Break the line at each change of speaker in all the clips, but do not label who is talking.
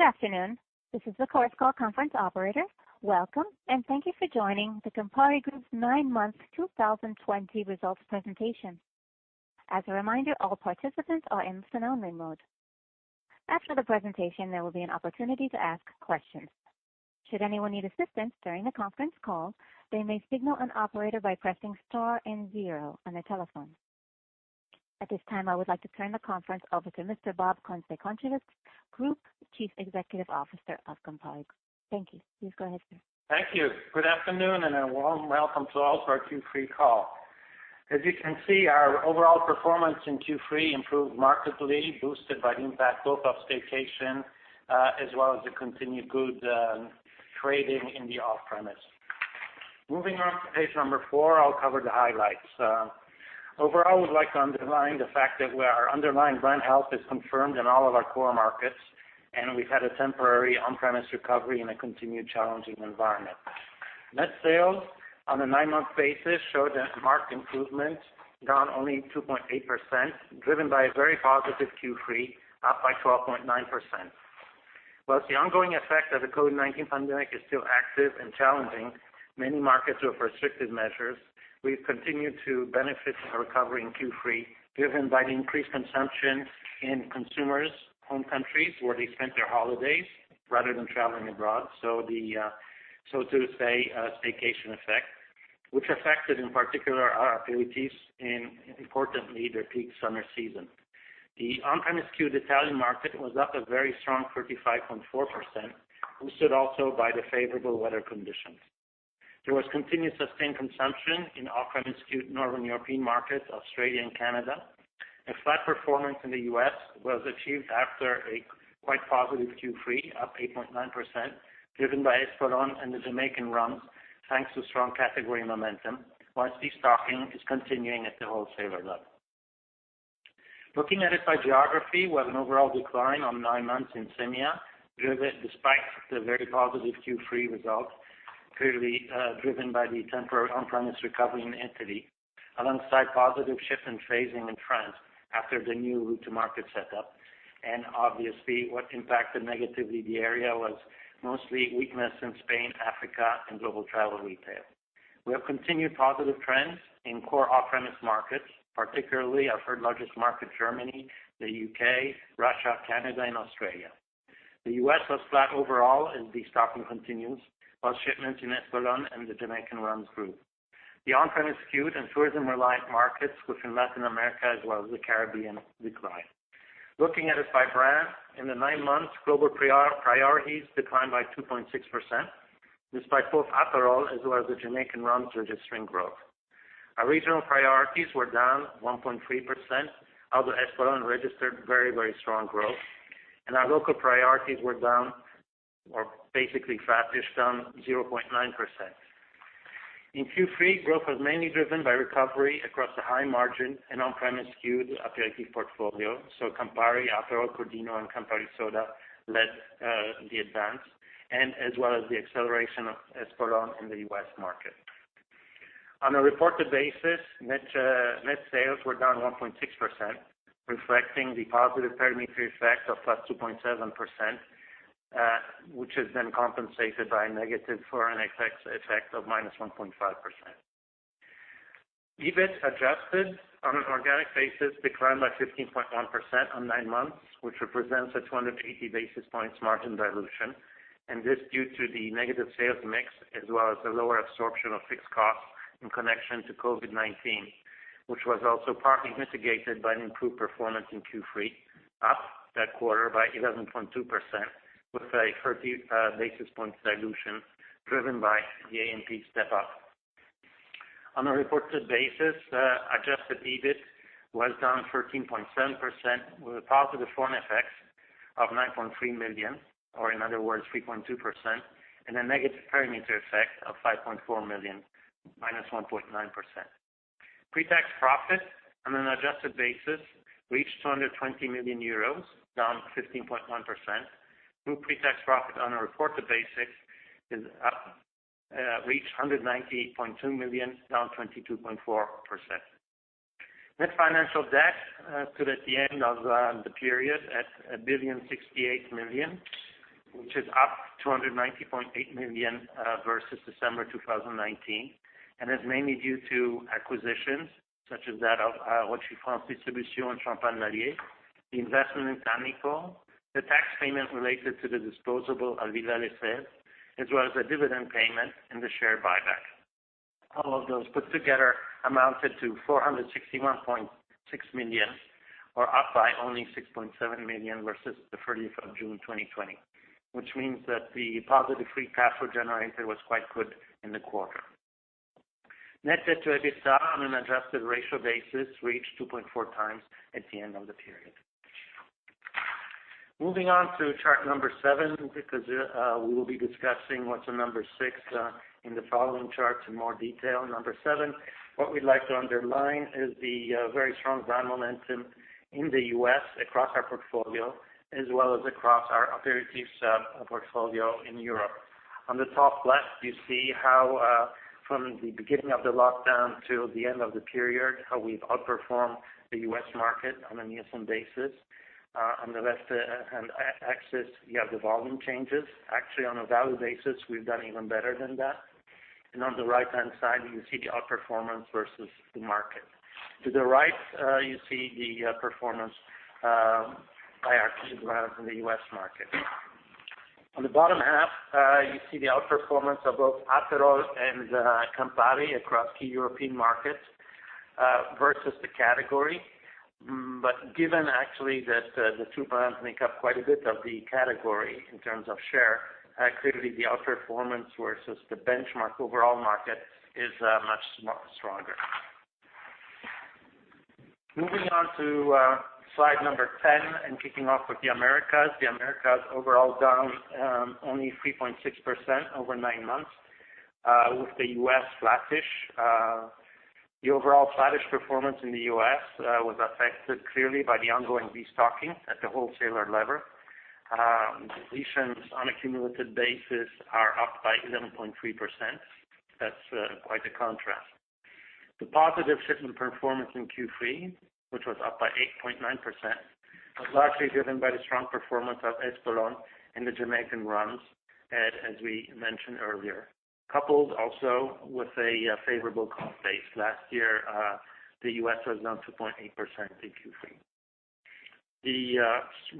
Good afternoon. This is the Chorus Call conference operator. Welcome, thank you for joining the Campari Group's nine months 2020 results presentation. As a reminder, all participants are in listen-only mode. After the presentation, there will be an opportunity to ask questions. Should anyone need assistance during the conference call, they may signal an operator by pressing star and zero on their telephone. At this time, I would like to turn the conference over to Mr. Bob Kunze-Concewitz, Group Chief Executive Officer of Campari. Thank you. Please go ahead, sir.
Thank you. Good afternoon and a warm welcome to all to our Q3 call. As you can see, our overall performance in Q3 improved markedly, boosted by the impact both of staycation, as well as the continued good trading in the off-premise. Moving on to page number four, I'll cover the highlights. Overall, I would like to underline the fact that our underlying brand health is confirmed in all of our core markets, and we've had a temporary on-premise recovery in a continued challenging environment. Net sales on a nine-month basis showed a marked improvement, down only 2.8%, driven by a very positive Q3, up by 12.9%. The ongoing effect of the COVID-19 pandemic is still active and challenging, many markets with restrictive measures, we've continued to benefit from a recovery in Q3, driven by the increased consumption in consumers' home countries where they spent their holidays rather than traveling abroad, so to say, a staycation effect, which affected, in particular, our activities in, importantly, their peak summer season. The on-premise skewed Italian market was up a very strong 35.4%, boosted also by the favorable weather conditions. There was continued sustained consumption in off-premise skewed Northern European markets, Australia, and Canada. A flat performance in the U.S. was achieved after a quite positive Q3, up 8.9%, driven by Espolón and the Jamaican rums, thanks to strong category momentum, whilst de-stocking is continuing at the wholesaler level. Looking at it by geography, we had an overall decline on nine months in EMEA, despite the very positive Q3 results, clearly driven by the temporary on-premise recovery in Italy, alongside positive shift in phrasing in France after the new route-to-market set up, and obviously what impacted negatively the area was mostly weakness in Spain, Africa, and global travel retail. We have continued positive trends in core off-premise markets, particularly our third largest market, Germany, the U.K., Russia, Canada, and Australia. The U.S. was flat overall as de-stocking continues, whilst shipments in Espolòn and the Jamaican rums grew. The on-premise skewed and tourism-reliant markets within Latin America as well as the Caribbean declined. Looking at it by brand, in the nine months, global priorities declined by 2.6%, despite both Aperol as well as the Jamaican rums registering growth. Our regional priorities were down 1.3%, although Espolòn registered very strong growth, and our local priorities were down or basically flattish, down 0.9%. In Q3, growth was mainly driven by recovery across the high margin and on-premise skewed aperitif portfolio, so Campari, Aperol, Crodino, and Campari Soda led the advance, and as well as the acceleration of Espolòn in the U.S. market. On a reported basis, net sales were down 1.6%, reflecting the positive perimeter effect of +2.7%, which has been compensated by a negative foreign effects of -1.5%. EBIT adjusted on an organic basis declined by 15.1% on nine months, which represents a 280 basis points margin dilution. This due to the negative sales mix as well as the lower absorption of fixed costs in connection to COVID-19, which was also partly mitigated by an improved performance in Q3, up that quarter by 11.2% with a 30 basis points dilution driven by the AMP step-up. On a reported basis, adjusted EBIT was down 13.7% with a positive foreign effects of 9.3 million, or in other words, 3.2%, and a negative perimeter effect of 5.4 million, -1.9%. Pre-tax profit on an adjusted basis reached 220 million euros, down 15.1%. Group pre-tax profit on a reported basis reached 198.2 million, down 22.4%. Net financial debt stood at the end of the period at 1 billion, 68 million, which is up 290.8 million versus December 2019 and is mainly due to acquisitions such as that of Rothschild France Distribution, Champagne Lallier, the investment in Tannico, the tax payment related to the disposable Alvilà Llaçot, as well as a dividend payment in the share buyback. All of those put together amounted to 461.6 million or up by only 6.7 million versus the 30th of June 2020, which means that the positive free cash flow generated was quite good in the quarter. Net debt to EBITDA on an adjusted ratio basis reached 2.4 times at the end of the period. Moving on to chart number seven, because we will be discussing what's on number six in the following charts in more detail. Number seven, what we'd like to underline is the very strong brand momentum in the U.S. across our portfolio as well as across our aperitifs portfolio in Europe. On the top left, you see how from the beginning of the lockdown till the end of the period, how we've outperformed the U.S. market on a Nielsen basis. On the left-hand axis, you have the volume changes. Actually, on a value basis, we've done even better than that. On the right-hand side, you see the outperformance versus the market. To the right, you see the performance by RTD brands in the U.S. market. On the bottom half, you see the outperformance of both Aperol and Campari across key European markets versus the category. Given actually that the two brands make up quite a bit of the category in terms of share, clearly the outperformance versus the benchmark overall market is much stronger. Moving on to slide number 10 and kicking off with the Americas. The Americas overall down only 3.6% over nine months, with the U.S. flattish. The overall flattish performance in the U.S. was affected clearly by the ongoing destocking at the wholesaler level. Depletions on a cumulative basis are up by 11.3%. That's quite a contrast. The positive shipment performance in Q3, which was up by 8.9%, was largely driven by the strong performance of Espolón and the Jamaican rums, as we mentioned earlier. Coupled also with a favorable comp base. Last year, the U.S. was down 2.8% in Q3. The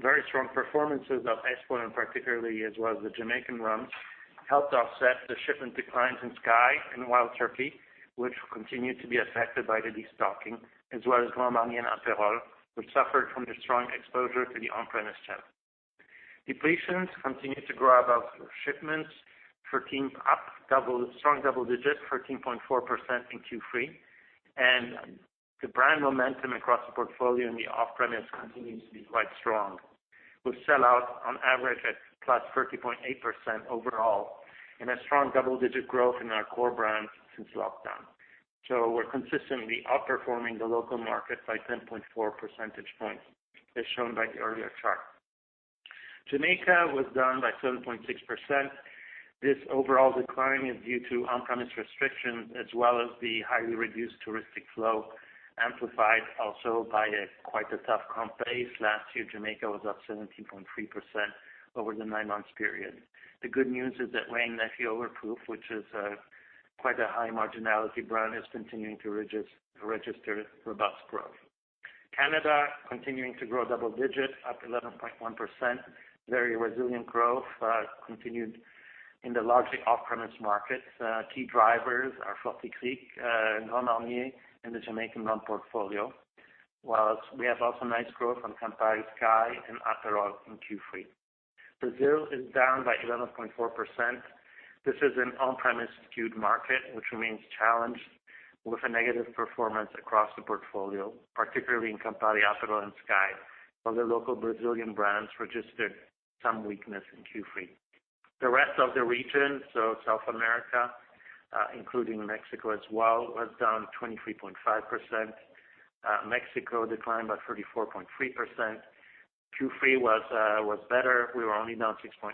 very strong performances of Espolòn particularly, as well as the Jamaican rums, helped offset the shipment declines in SKYY and Wild Turkey, which will continue to be affected by the destocking, as well as Grand Marnier and Aperol, which suffered from the strong exposure to the on-premise channel. Depletions continued to grow above shipments, up strong double digits, 13.4% in Q3, and the brand momentum across the portfolio in the off-premise continues to be quite strong, with sell out on average at plus 30.8% overall and a strong double-digit growth in our core brands since lockdown. We're consistently outperforming the local market by 10.4 percentage points as shown by the earlier chart. Jamaica was down by 7.6%. This overall decline is due to on-premise restrictions as well as the highly reduced touristic flow, amplified also by quite a tough comp base. Last year, Jamaica was up 17.3% over the nine-month period. The good news is that Wray & Nephew Overproof, which is quite a high marginality brand, is continuing to register robust growth. Canada continuing to grow double digits, up 11.1%. Very resilient growth continued in the largely off-premise markets. Key drivers are Forty Creek, Grand Marnier, and the Jamaican rum portfolio. Whilst we have also nice growth on Campari, SKYY, and Aperol in Q3. Brazil is down by 11.4%. This is an on-premise skewed market, which remains challenged with a negative performance across the portfolio, particularly in Campari, Aperol, and SKYY, while the local Brazilian brands registered some weakness in Q3. The rest of the region, so South America, including Mexico as well, was down 23.5%. Mexico declined by 34.3%. Q3 was better. We were only down 6.8%,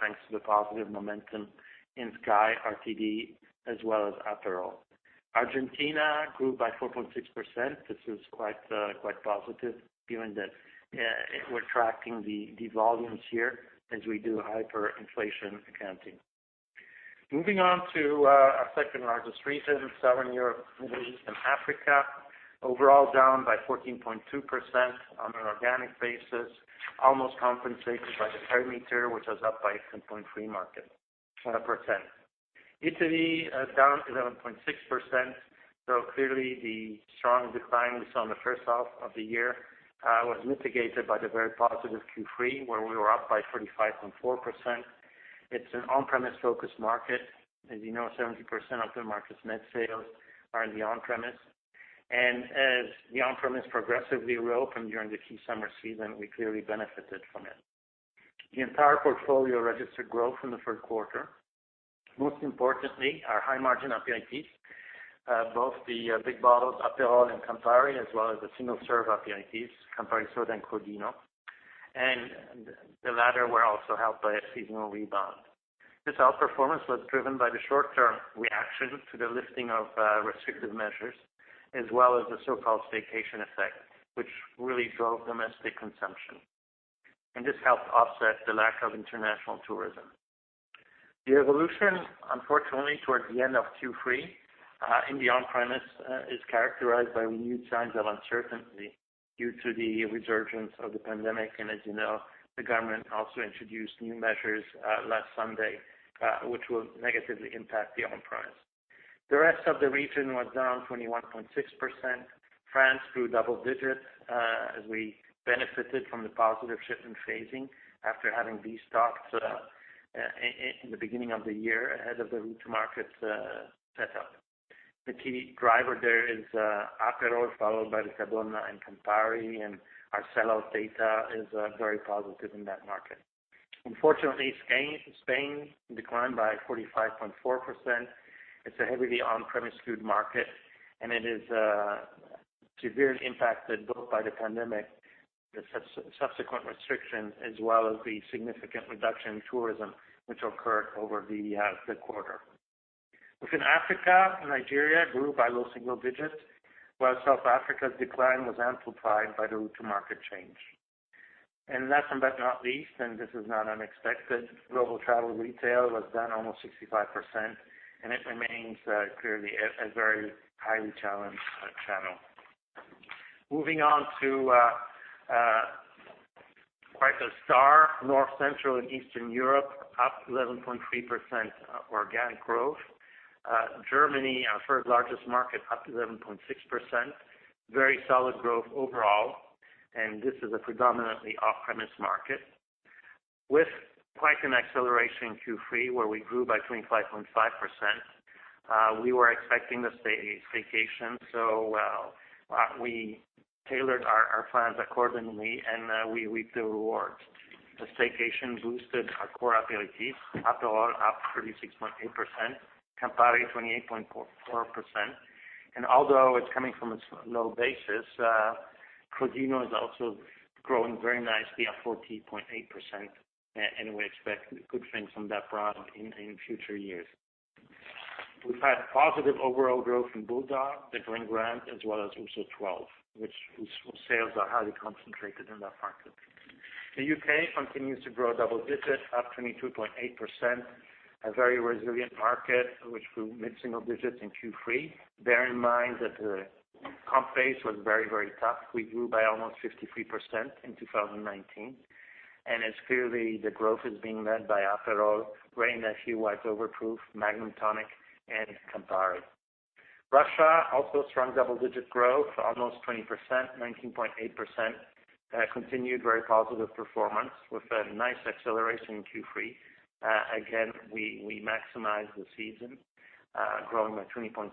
thanks to the positive momentum in SKYY RTD as well as Aperol. Argentina grew by 4.6%. This is quite positive given that we're tracking the volumes here as we do hyperinflation accounting. Moving on to our second-largest region, Southern Europe, Middle East and Africa. Overall down by 14.2% on an organic basis, almost compensated by the perimeter, which was up by 10.3%. Italy is down 11.6%. Clearly the strong decline we saw in the first half of the year was mitigated by the very positive Q3, where we were up by 35.4%. It's an on-premise focused market. As you know, 70% of the market's net sales are in the on-premise. As the on-premise progressively reopened during the key summer season, we clearly benefited from it. The entire portfolio registered growth in the third quarter. Most importantly, our high margin aperitifs, both the big bottles, Aperol and Campari, as well as the single serve aperitifs, Campari Soda and Crodino. The latter were also helped by a seasonal rebound. This outperformance was driven by the short-term reaction to the lifting of restrictive measures, as well as the so-called staycation effect, which really drove domestic consumption. This helped offset the lack of international tourism. The evolution, unfortunately, towards the end of Q3, in the on-premise, is characterized by renewed signs of uncertainty due to the resurgence of the pandemic. As you know, the government also introduced new measures last Sunday, which will negatively impact the on-premise. The rest of the region was down 21.6%. France grew double digits, as we benefited from the positive shipment phasing after having destocked in the beginning of the year ahead of the route to market setup. The key driver there is Aperol, followed by Riccadonna and Campari, and our sellout data is very positive in that market. Unfortunately, Spain declined by 45.4%. It's a heavily on-premise skewed market, and it is severely impacted both by the pandemic, the subsequent restrictions, as well as the significant reduction in tourism, which occurred over the quarter. Within Africa, Nigeria grew by low single digits, while South Africa's decline was amplified by the route to market change. Last but not least, and this is not unexpected, global travel retail was down almost 65%, and it remains clearly a very highly challenged channel. Moving on to quite a star, North, Central, and Eastern Europe, up 11.3% organic growth. Germany, our third largest market, up 11.6%. Very solid growth overall, and this is a predominantly off-premise market. With quite an acceleration in Q3, where we grew by 25.5%. We were expecting the staycation, we tailored our plans accordingly, and we reaped the reward. The staycation boosted our core aperitifs, Aperol up 36.8%, Campari 28.4%. Although it's coming from a low basis, Crodino is also growing very nicely at 14.8%, and we expect good things from that brand in future years. We've had positive overall growth from BULLDOG, the Glen Grant, as well as Ouzo 12, which whose sales are highly concentrated in that market. The U.K. continues to grow double digits, up 22.8%. A very resilient market, which grew mid-single digits in Q3. Bear in mind that the comp base was very tough. We grew by almost 53% in 2019, and clearly, the growth is being led by Aperol, Grey Goose, White Overproof, Magnum Tonic, and Campari. Russia, also strong double-digit growth, almost 20%, 19.8%. Continued very positive performance with a nice acceleration in Q3. Again, we maximize the season, growing by 20.6%.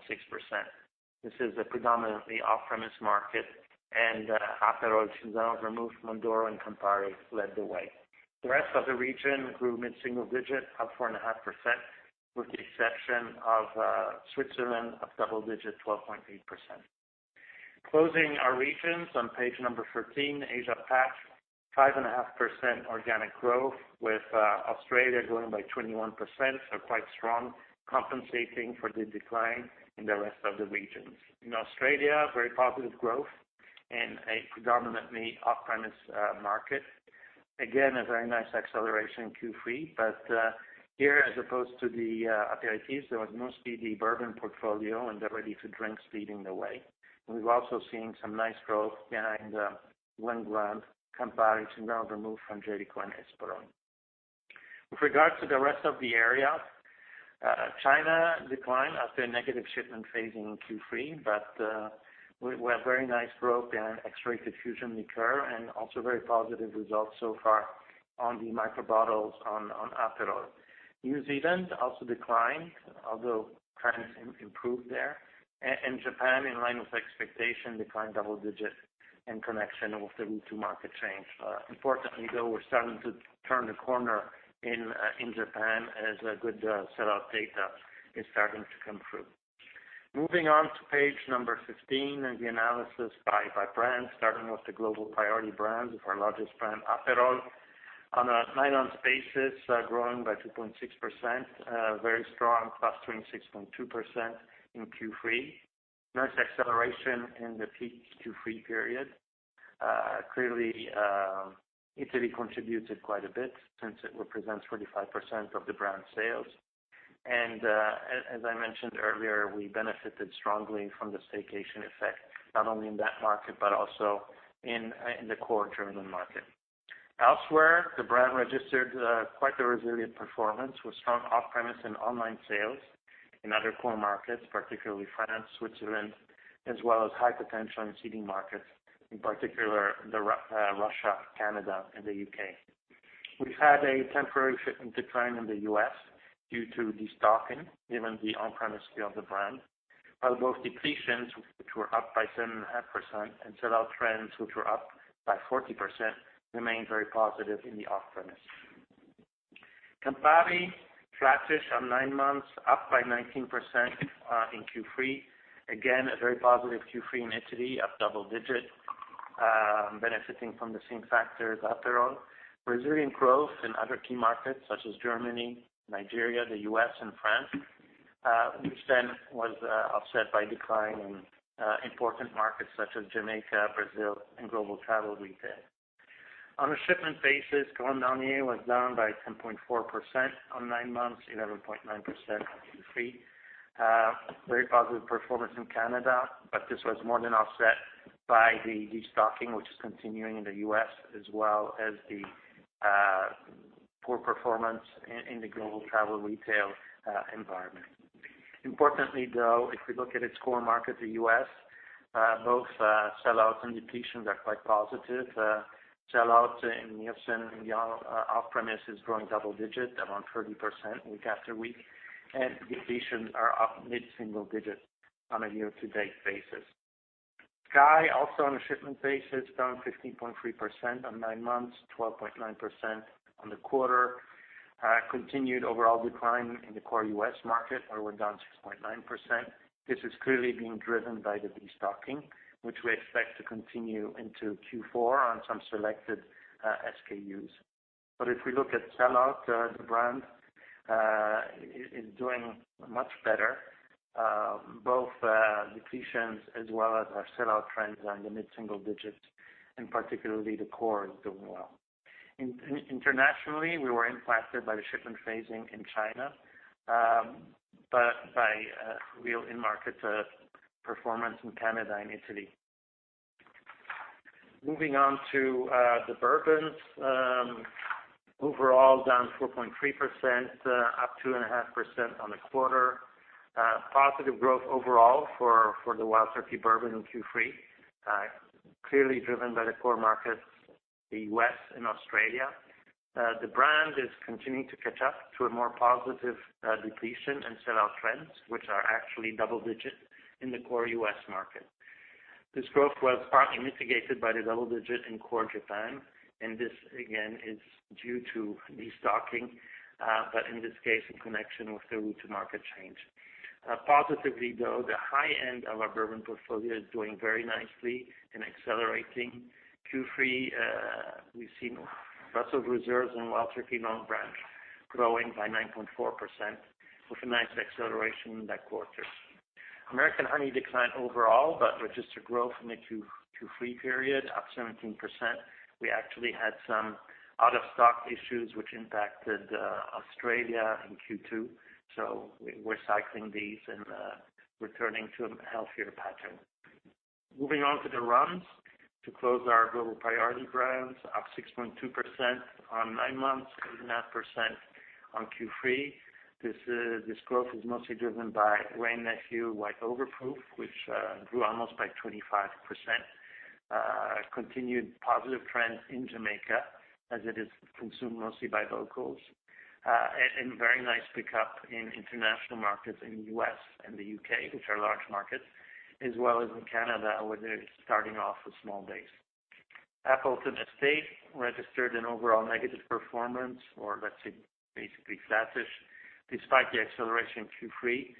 This is a predominantly off-premise market, and Aperol, Cinzano, Vermouth, Mondoro, and Campari led the way. The rest of the region grew mid-single digit, up 4.5%, with the exception of Switzerland, up double digits, 12.8%. Closing our regions on page number 13, Asia-Pac, 5.5% organic growth, with Australia growing by 21%, so quite strong, compensating for the decline in the rest of the regions. In Australia, very positive growth in a predominantly off-premise market. Again, a very nice acceleration in Q3. Here, as opposed to the aperitifs, there was mostly the bourbon portfolio and the ready-to-drink leading the way. We've also seen some nice growth behind Glen Grant, Campari, Cinzano, Vermouth, Frangelico, and Esperanti. With regard to the rest of the area, China declined after a negative shipment phase in Q3, but we have very nice growth in X-Rated Fusion Liqueur, and also very positive results so far on the micro bottles on Aperol. New Zealand also declined, although trends improved there. Japan, in line with expectation, declined double digits in connection with the route-to-market change. Importantly, though, we're starting to turn the corner in Japan as good sellout data is starting to come through. Moving on to page number 15 and the analysis by brand, starting with the global priority brand, with our largest brand, Aperol. On a nine-month basis, growing by 2.6%, very strong, plus 26.2% in Q3. Nice acceleration in the peak Q3 period. Clearly, Italy contributed quite a bit since it represents 45% of the brand's sales. As I mentioned earlier, we benefited strongly from the staycation effect, not only in that market, but also in the core German market. Elsewhere, the brand registered quite a resilient performance with strong off-premise and online sales in other core markets, particularly France, Switzerland, as well as high potential and seeding markets, in particular Russia, Canada, and the U.K. We've had a temporary shipment decline in the U.S. due to destocking, given the on-premise feel of the brand. While both depletions, which were up by 7.5%, and sell-out trends, which were up by 40%, remain very positive in the off-premise. Campari, flattish on nine months, up by 19% in Q3. A very positive Q3 in Italy, up double digits, benefiting from the same factors as Aperol. Resilient growth in other key markets such as Germany, Nigeria, the U.S., and France, which then was offset by decline in important markets such as Jamaica, Brazil, and global travel retail. On a shipment basis, Grand Marnier was down by 10.4% on nine months, 11.9% in Q3. Very positive performance in Canada, but this was more than offset by the destocking, which is continuing in the U.S., as well as the poor performance in the global travel retail environment. Importantly, though, if we look at its core market, the U.S., both sell-outs and depletions are quite positive. Sell-outs in Nielsen off-premise is growing double digits, around 30% week after week, and depletions are up mid-single digits on a year-to-date basis. SKYY also on a shipment basis, down 15.3% on nine months, 12.9% on the quarter. Continued overall decline in the core U.S. market, where we're down 6.9%. This is clearly being driven by the destocking, which we expect to continue into Q4 on some selected SKUs. If we look at sell-out, the brand is doing much better. Both depletions as well as our sell-out trends are in the mid-single digits, particularly the core is doing well. Internationally, we were impacted by the shipment phasing in China, by real in-market performance in Canada and Italy. Moving on to the bourbons. Overall, down 4.3%, up 2.5% on the quarter. Positive growth overall for the Wild Turkey Bourbon in Q3, clearly driven by the core markets, the U.S., and Australia. The brand is continuing to catch up to a more positive depletion and sell-out trends, which are actually double digits in the core U.S. market. This growth was partly mitigated by the double digits in core Japan, and this, again, is due to destocking, but in this case, in connection with the route-to-market change. Positively, though, the high end of our bourbon portfolio is doing very nicely in accelerating. Q3, we've seen Russell's Reserve and Wild Turkey Longbranch growing by 9.4% with a nice acceleration in that quarter. American Honey declined overall, but registered growth in the Q3 period, up 17%. We actually had some out-of-stock issues which impacted Australia in Q2, so we're cycling these and returning to a healthier pattern. Moving on to the rums. To close our global priority brands, up 6.2% on nine months, 8.5% on Q3. This growth is mostly driven by Wray & Nephew White Overproof, which grew almost by 25%. Continued positive trends in Jamaica as it is consumed mostly by locals, and very nice pickup in international markets in the U.S. and the U.K., which are large markets, as well as in Canada, where they're starting off with small base. Appleton Estate registered an overall negative performance, or let's say basically flattish, despite the acceleration in Q3.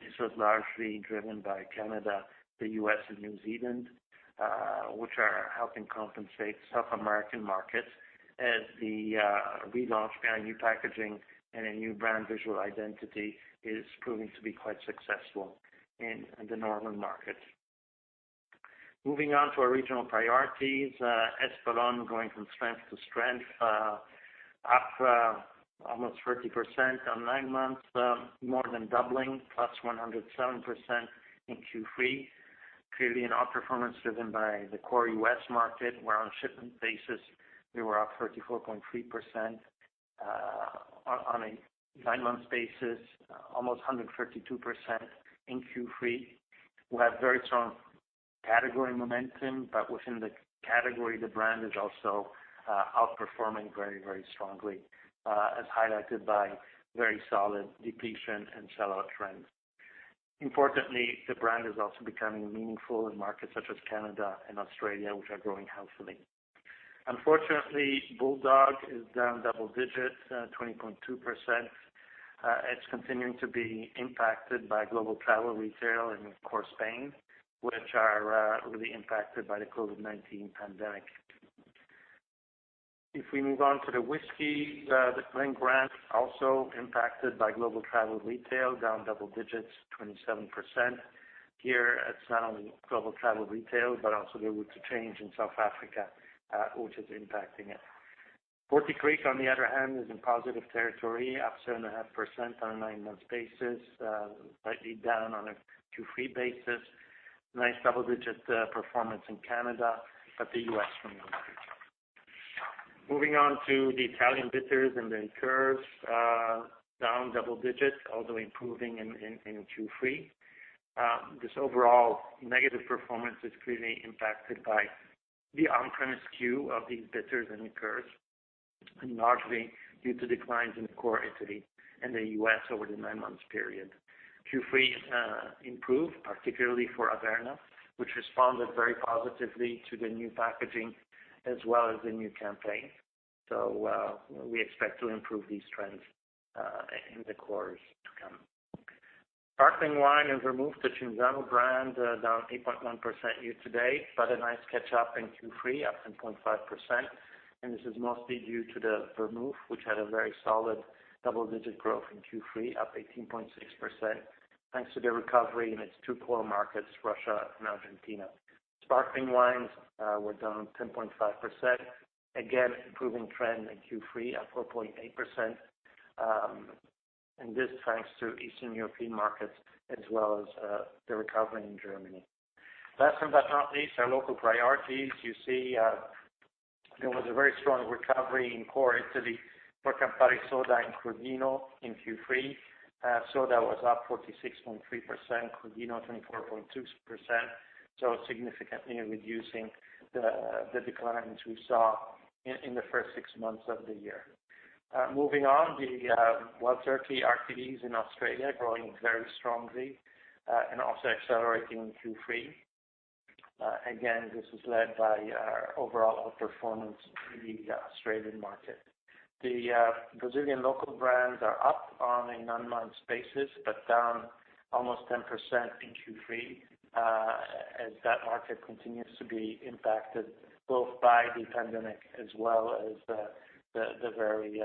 This was largely driven by Canada, the U.S., and New Zealand, which are helping compensate South American markets as the relaunch behind new packaging and a new brand visual identity is proving to be quite successful in the Northern markets. Moving on to our regional priorities. Espolòn going from strength to strength, up almost 30% on nine months, more than doubling, plus 107% in Q3. Clearly an outperformance driven by the core U.S. market, where on shipment basis, we were up 34.3%. On a nine-month basis, almost 132% in Q3. We have very strong category momentum, but within the category, the brand is also outperforming very strongly, as highlighted by very solid depletion and sell-out trends. Importantly, the brand is also becoming meaningful in markets such as Canada and Australia, which are growing healthily. Unfortunately, BULLDOG is down double digits, 20.2%. It's continuing to be impacted by global travel retail and, of course, Spain, which are really impacted by the COVID-19 pandemic. If we move on to the whiskey. The Glen Grant also impacted by global travel retail, down double digits, 27%. Here, it's not only global travel retail, but also the route to change in South Africa, which is impacting it. Forty Creek, on the other hand, is in positive territory, up 7.5% on a nine-month basis, slightly down on a Q3 basis. Nice double-digit performance in Canada, but the U.S. remains weak. Moving on to the Italian bitters and liqueurs, down double digits, although improving in Q3. This overall negative performance is clearly impacted by the on-premise queue of these bitters and liqueurs, and largely due to declines in core Italy and the U.S. over the nine-month period. Q3 improved, particularly for Averna, which responded very positively to the new packaging as well as the new campaign. We expect to improve these trends in the quarters to come. Sparkling wine and vermouth, the Cinzano brand down 8.1% year to date, but a nice catch-up in Q3, up 7.5%. This is mostly due to the vermouth, which had a very solid double-digit growth in Q3, up 18.6%, thanks to the recovery in its two core markets, Russia and Argentina. Sparkling wines were down 10.5%. Improving trend in Q3 at 4.8%, and this thanks to Eastern European markets as well as the recovery in Germany. Last but not least, our local priorities. You see there was a very strong recovery in core Italy for Campari Soda and Crodino in Q3. Soda was up 46.3%, Crodino 24.2%, so significantly reducing the declines we saw in the first six months of the year. Moving on, the Wild Turkey RTDs in Australia growing very strongly and also accelerating in Q3. This is led by our overall outperformance in the Australian market. The Brazilian local brands are up on a nine-month basis, but down almost 10% in Q3, as that market continues to be impacted both by the pandemic as well as the very,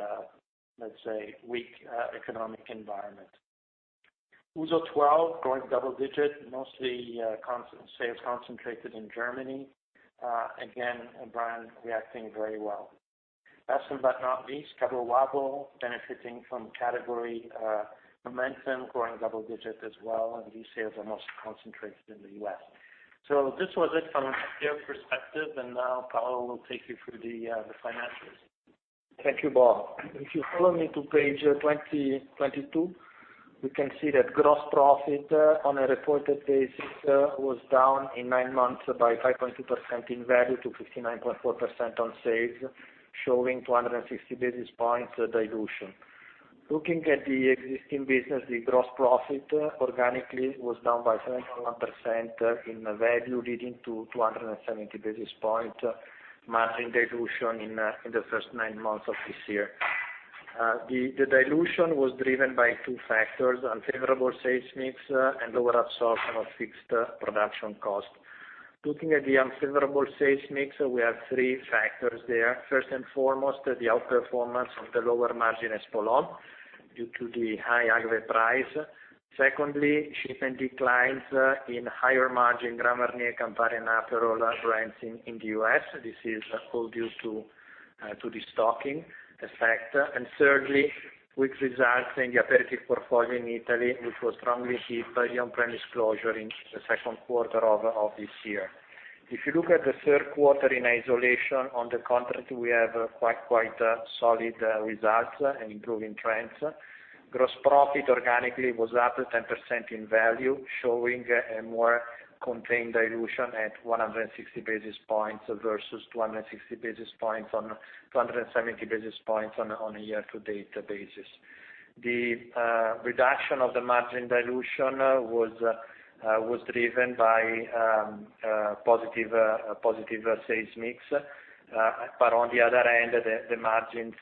let's say, weak economic environment. Ouzo 12 growing double digit, mostly sales concentrated in Germany. A brand reacting very well. Last but not least, Cabo Wabo benefiting from category momentum, growing double digits as well. These sales are mostly concentrated in the U.S. This was it from a sales perspective. Now Paolo will take you through the financials.
Thank you, Bob. If you follow me to page 22, we can see that gross profit on a reported basis was down in nine months by 5.2% in value to 59.4% on sales, showing 260 basis points dilution. Looking at the existing business, the gross profit organically was down by 7.1% in value, leading to 270 basis point margin dilution in the first nine months of this year. The dilution was driven by two factors: unfavorable sales mix and lower absorption of fixed production cost. Looking at the unfavorable sales mix, we have three factors there. First and foremost, the outperformance of the lower margin Espolòn due to the high agave price. Secondly, shipment declines in higher margin Grand Marnier, Campari, and Aperol brands in the U.S. This is all due to the stocking effect. Thirdly, weak results in the aperitif portfolio in Italy, which was strongly hit by the on-premise closure in the second quarter of this year. If you look at the third quarter in isolation, on the contrary, we have quite solid results and improving trends. Gross profit organically was up 10% in value, showing a more contained dilution at 160 basis points versus 270 basis points on a year-to-date basis. The reduction of the margin dilution was driven by positive sales mix. On the other hand, the margins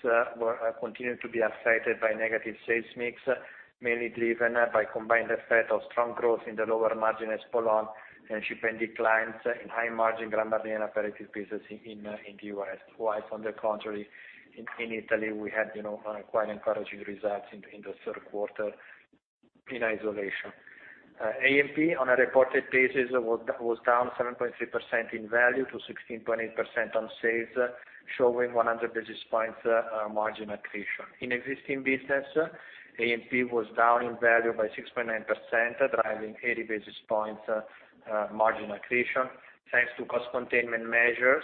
continued to be affected by negative sales mix, mainly driven by combined effect of strong growth in the lower margin Espolòn and shipment declines in high margin Grand Marnier and aperitif business in the U.S. While on the contrary, in Italy, we had quite encouraging results in the third quarter in isolation. A&P on a reported basis was down 7.3% in value to 16.8% on sales, showing 100 basis points margin accretion. In existing business, A&P was down in value by 6.9%, driving 80 basis points margin accretion, thanks to cost containment measures,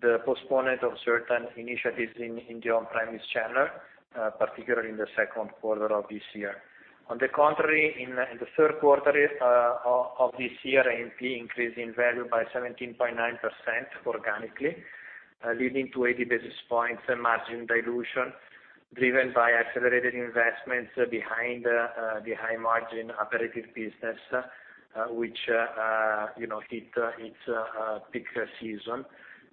the postponement of certain initiatives in the on-premise channel, particularly in the second quarter of this year. On the contrary, in the third quarter of this year, A&P increased in value by 17.9% organically, leading to 80 basis points margin dilution, driven by accelerated investments behind the high margin Aperitif business, which hit its peak season,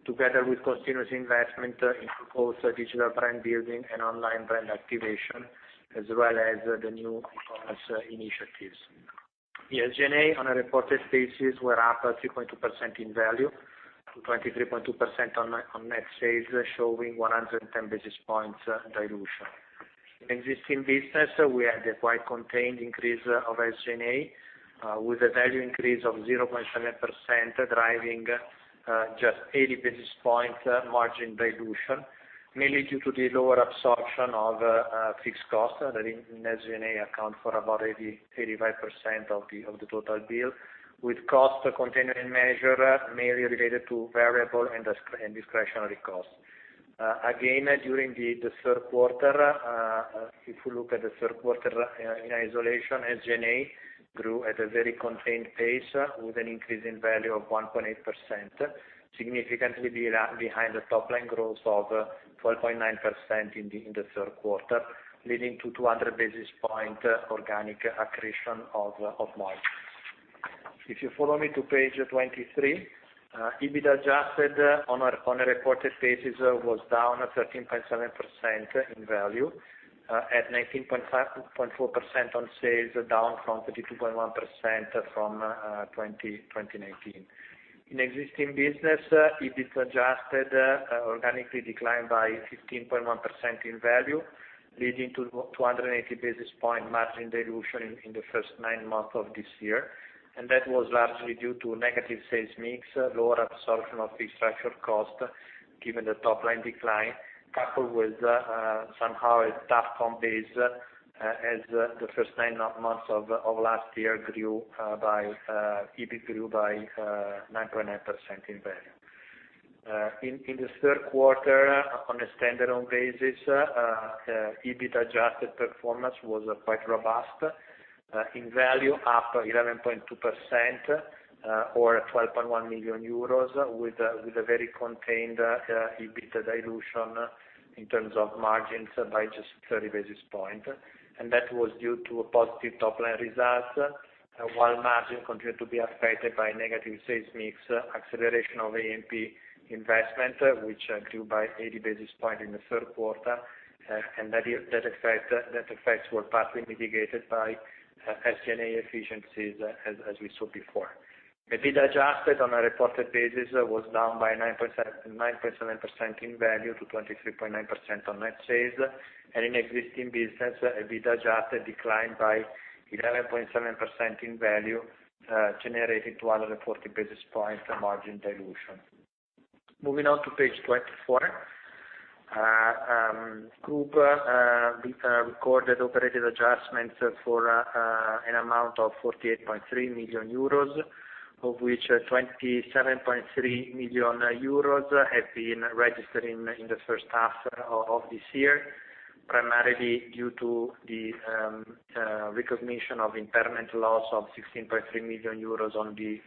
together with continuous investment in both digital brand building and online brand activation, as well as the new e-commerce initiatives. The SG&A on a reported basis were up 3.2% in value to 23.2% on net sales, showing 110 basis points dilution. In existing business, we had a quite contained increase of SG&A with a value increase of 0.7%, driving just 80 basis points margin dilution, mainly due to the lower absorption of fixed cost that in SG&A account for about 85% of the total bill, with cost containment measure mainly related to variable and discretionary costs. Again, if we look at the third quarter in isolation, SG&A grew at a very contained pace with an increase in value of 1.8%, significantly behind the top-line growth of 12.9% in the third quarter, leading to 200 basis point organic accretion of margin. If you follow me to page 23, EBIT adjusted on a reported basis was down 13.7% in value at 19.4% on sales, down from 32.1% from 2019. In existing business, EBIT adjusted organically declined by 15.1% in value, leading to 280 basis points margin dilution in the first nine months of this year. That was largely due to negative sales mix, lower absorption of fixed structural costs, given the top-line decline, coupled with somehow a tough comp base as the first nine months of last year, EBIT grew by 9.9% in value. In the third quarter on a standalone basis, the EBIT adjusted performance was quite robust in value, up 11.2% or 12.1 million euros with a very contained EBIT dilution in terms of margins by just 30 basis points. That was due to a positive top-line result, while margin continued to be affected by negative sales mix, acceleration of A&P investment, which grew by 80 basis points in the third quarter, and that effects were partly mitigated by SG&A efficiencies, as we saw before. EBIT adjusted on a reported basis was down by 9.7% in value to 23.9% on net sales. In existing business, EBIT adjusted declined by 11.7% in value, generating 240 basis points margin dilution. Moving on to page 24. Group recorded operating adjustments for an amount of 48.3 million euros, of which 27.3 million euros have been registered in the first half of this year, primarily due to the recognition of impairment loss of 16.3 million euros on the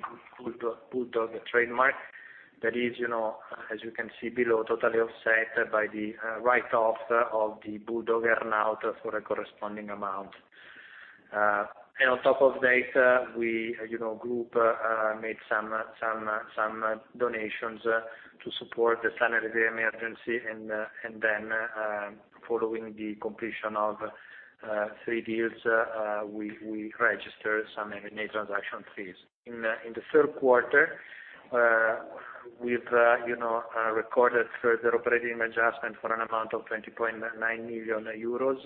BULLDOG trademark. That is, as you can see below, totally offset by the write-off of the BULLDOG earn-out for a corresponding amount. On top of that, Group made some donations to support the sanitary emergency. Following the completion of three deals, we registered some M&A transaction fees. In the third quarter, we've recorded further operating adjustment for an amount of 20.9 million euros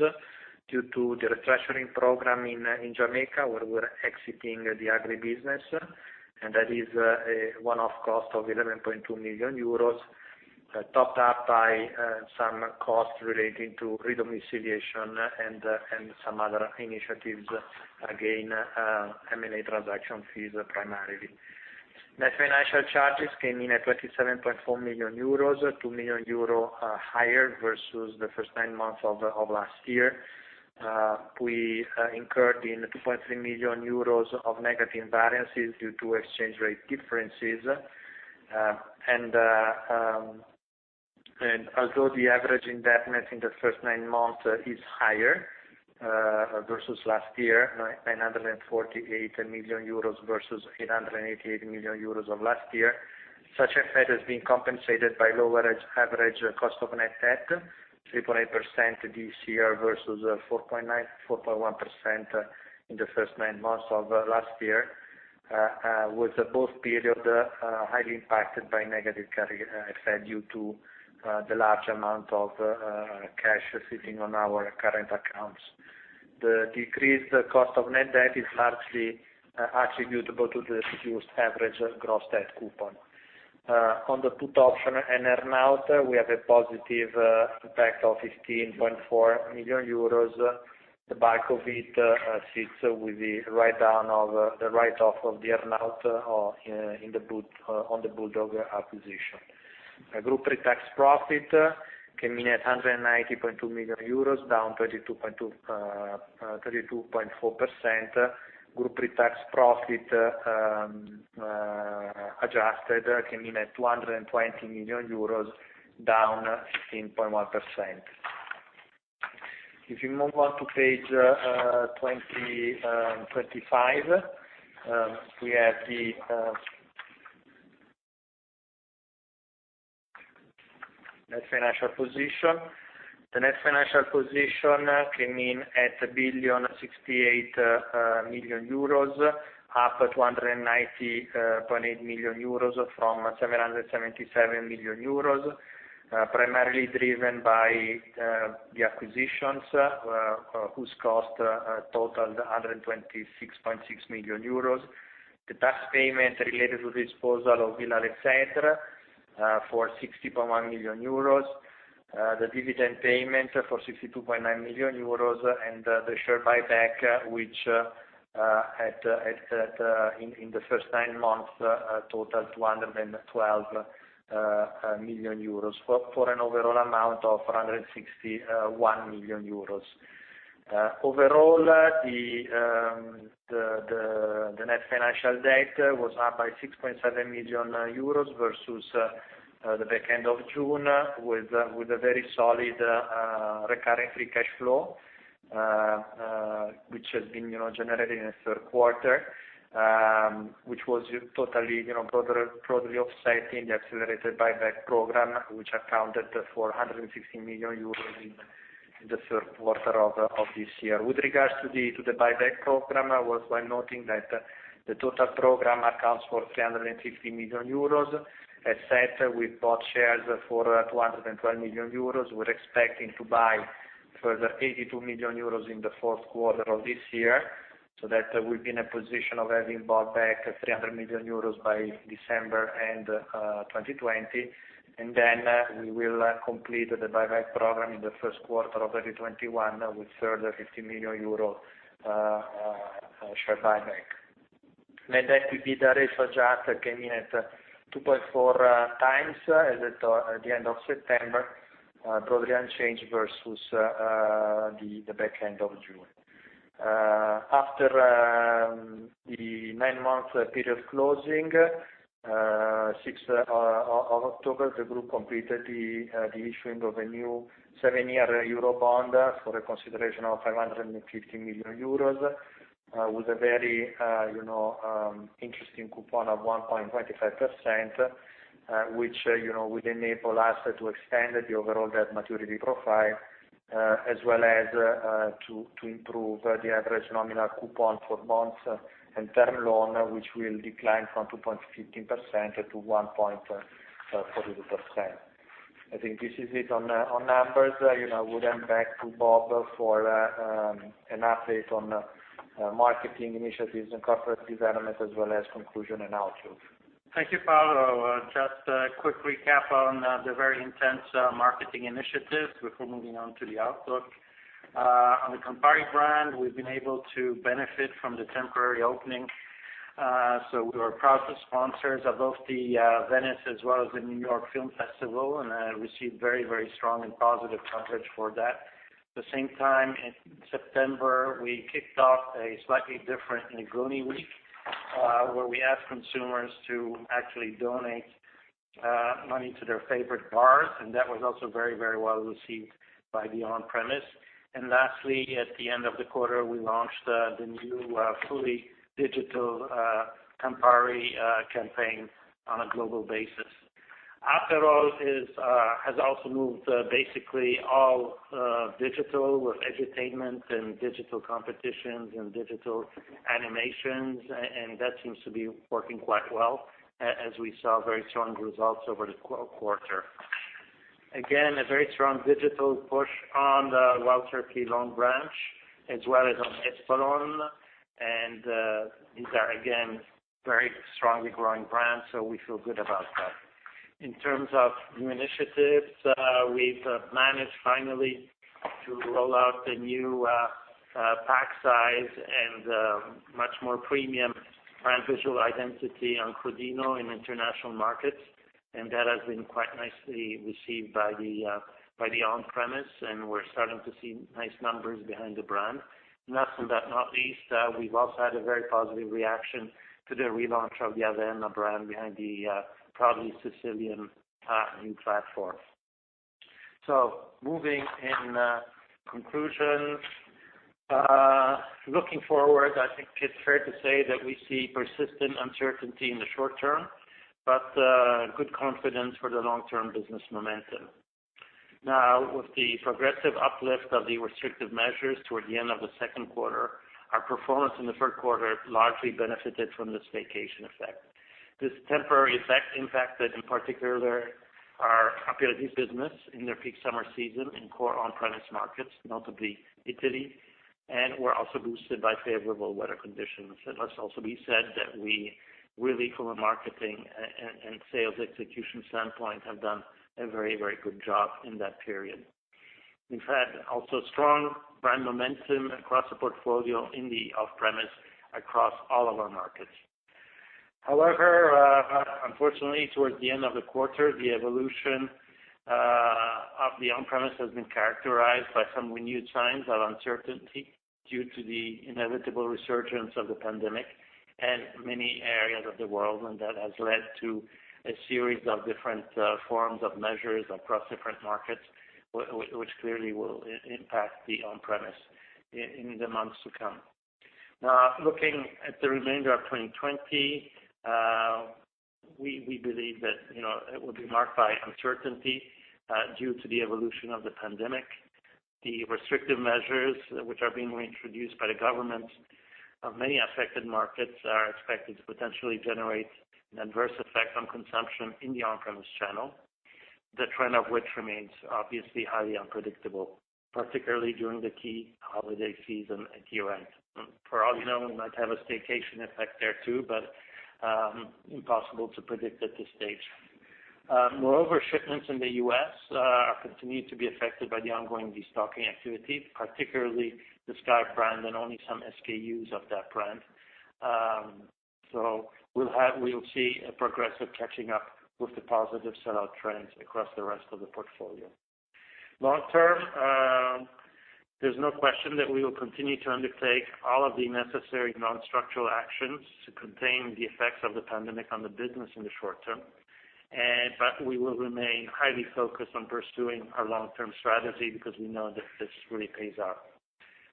due to the restructuring program in Jamaica, where we're exiting the agribusiness, and that is a one-off cost of 11.2 million euros, topped up by some costs relating to re-domiciliation and some other initiatives, again, M&A transaction fees primarily. Net financial charges came in at 27.4 million euros, 2 million euro higher versus the first nine months of last year. We incurred in 2.3 million euros of negative variances due to exchange rate differences. Although the average indebtedness in the first nine months is higher versus last year, 948 million euros versus 888 million euros of last year, such effect has been compensated by lower average cost of net debt, 3.8% this year versus 4.1% in the first nine months of last year, with both period highly impacted by negative carry effect due to the large amount of cash sitting on our current accounts. The decreased cost of net debt is largely attributable to the reduced average gross debt coupon. On the put option and earn-out, we have a positive impact of 15.4 million euros. The bulk of it sits with the write-off of the earn-out on the BULLDOG acquisition. Group pre-tax profit came in at 190.2 million euro, down 32.4%. Group pre-tax profit adjusted came in at 220 million euros, down 15.1%. If you move on to page 25, we have the net financial position. The net financial position came in at 1,068 million euros, up 290.8 million euros from 777 million euros, primarily driven by the acquisitions, whose cost totaled 126.6 million euros. The tax payment related to the disposal of Villa d'Este for 60.1 million euros, the dividend payment for 62.9 million euros, and the share buyback, which in the first nine months totaled 212 million euros, for an overall amount of 161 million euros. Overall, the net financial debt was up by 6.7 million euros versus the back end of June, with a very solid recurring free cash flow, which has been generated in the third quarter, which was totally broadly offsetting the accelerated buyback program, which accounted for 160 million euros in the third quarter of this year. With regards to the buyback program, I worthwhile noting that the total program accounts for 350 million euros. As said, we bought shares for 212 million euros. We're expecting to buy further 82 million euros in the fourth quarter of this year, so that we'll be in a position of having bought back 300 million euros by December end 2020. Then we will complete the buyback program in the first quarter of 2021 with further 50 million euro share buyback. Net debt to EBITDA ratio adjusted came in at 2.4 times at the end of September, broadly unchanged versus the back end of June. After the nine-month period closing, 6th of October, the Group completed the issuing of a new 7-year euro bond for a consideration of 550 million euros with a very interesting coupon of 1.25%, which will enable us to extend the overall debt maturity profile as well as to improve the average nominal coupon for bonds and term loan, which will decline from 2.15% to 1.42%. I think this is it on numbers. I would hand back to Bob for an update on marketing initiatives and corporate developments as well as conclusion and outlook.
Thank you, Paolo. Just a quick recap on the very intense marketing initiatives before moving on to the outlook. On the Campari brand, we've been able to benefit from the temporary opening. We were proud to sponsor both the Venice Film Festival as well as the New York Film Festival and received very strong and positive coverage for that. At the same time, in September, we kicked off a slightly different Negroni Week, where we asked consumers to actually donate money to their favorite bars, and that was also very well received by the on-premise. Lastly, at the end of the quarter, we launched the new fully digital Campari campaign on a global basis. Aperol has also moved basically all digital with edutainment and digital competitions and digital animations, and that seems to be working quite well as we saw very strong results over the quarter. A very strong digital push on the Wild Turkey Longbranch, as well as on Espolòn, and these are again, very strongly growing brands, so we feel good about that. In terms of new initiatives, we've managed finally to roll out the new pack size and a much more premium brand visual identity on Crodino in international markets, and that has been quite nicely received by the on-premise, and we're starting to see nice numbers behind the brand. Last but not least, we've also had a very positive reaction to the relaunch of the Averna brand behind the Proudly Sicilian new platform. Moving in conclusion. Looking forward, I think it's fair to say that we see persistent uncertainty in the short- term, but good confidence for the long-term business momentum. Now, with the progressive uplift of the restrictive measures toward the end of the second quarter, our performance in the third quarter largely benefited from the staycation effect. This temporary effect impacted, in particular, our Aperitifs business in their peak summer season in core on-premise markets, notably Italy, and were also boosted by favorable weather conditions. It must also be said that we really, from a marketing and sales execution standpoint, have done a very good job in that period. We've had also strong brand momentum across the portfolio in the off-premise across all of our markets. However, unfortunately, towards the end of the quarter, the evolution of the on-premise has been characterized by some renewed signs of uncertainty due to the inevitable resurgence of the pandemic in many areas of the world, and that has led to a series of different forms of measures across different markets, which clearly will impact the on-premise in the months to come. Now, looking at the remainder of 2020, we believe that it will be marked by uncertainty due to the evolution of the pandemic. The restrictive measures which are being reintroduced by the government of many affected markets are expected to potentially generate an adverse effect on consumption in the on-premise channel, the trend of which remains obviously highly unpredictable, particularly during the key holiday season at year-end. For all we know, we might have a staycation effect there too, but impossible to predict at this stage. Shipments in the U.S. are continuing to be affected by the ongoing destocking activity, particularly the SKYY brand and only some SKUs of that brand. We'll see a progressive catching up with the positive sell-out trends across the rest of the portfolio. Long- term, there's no question that we will continue to undertake all of the necessary non-structural actions to contain the effects of the pandemic on the business in the short- term. We will remain highly focused on pursuing our long-term strategy because we know that this really pays off.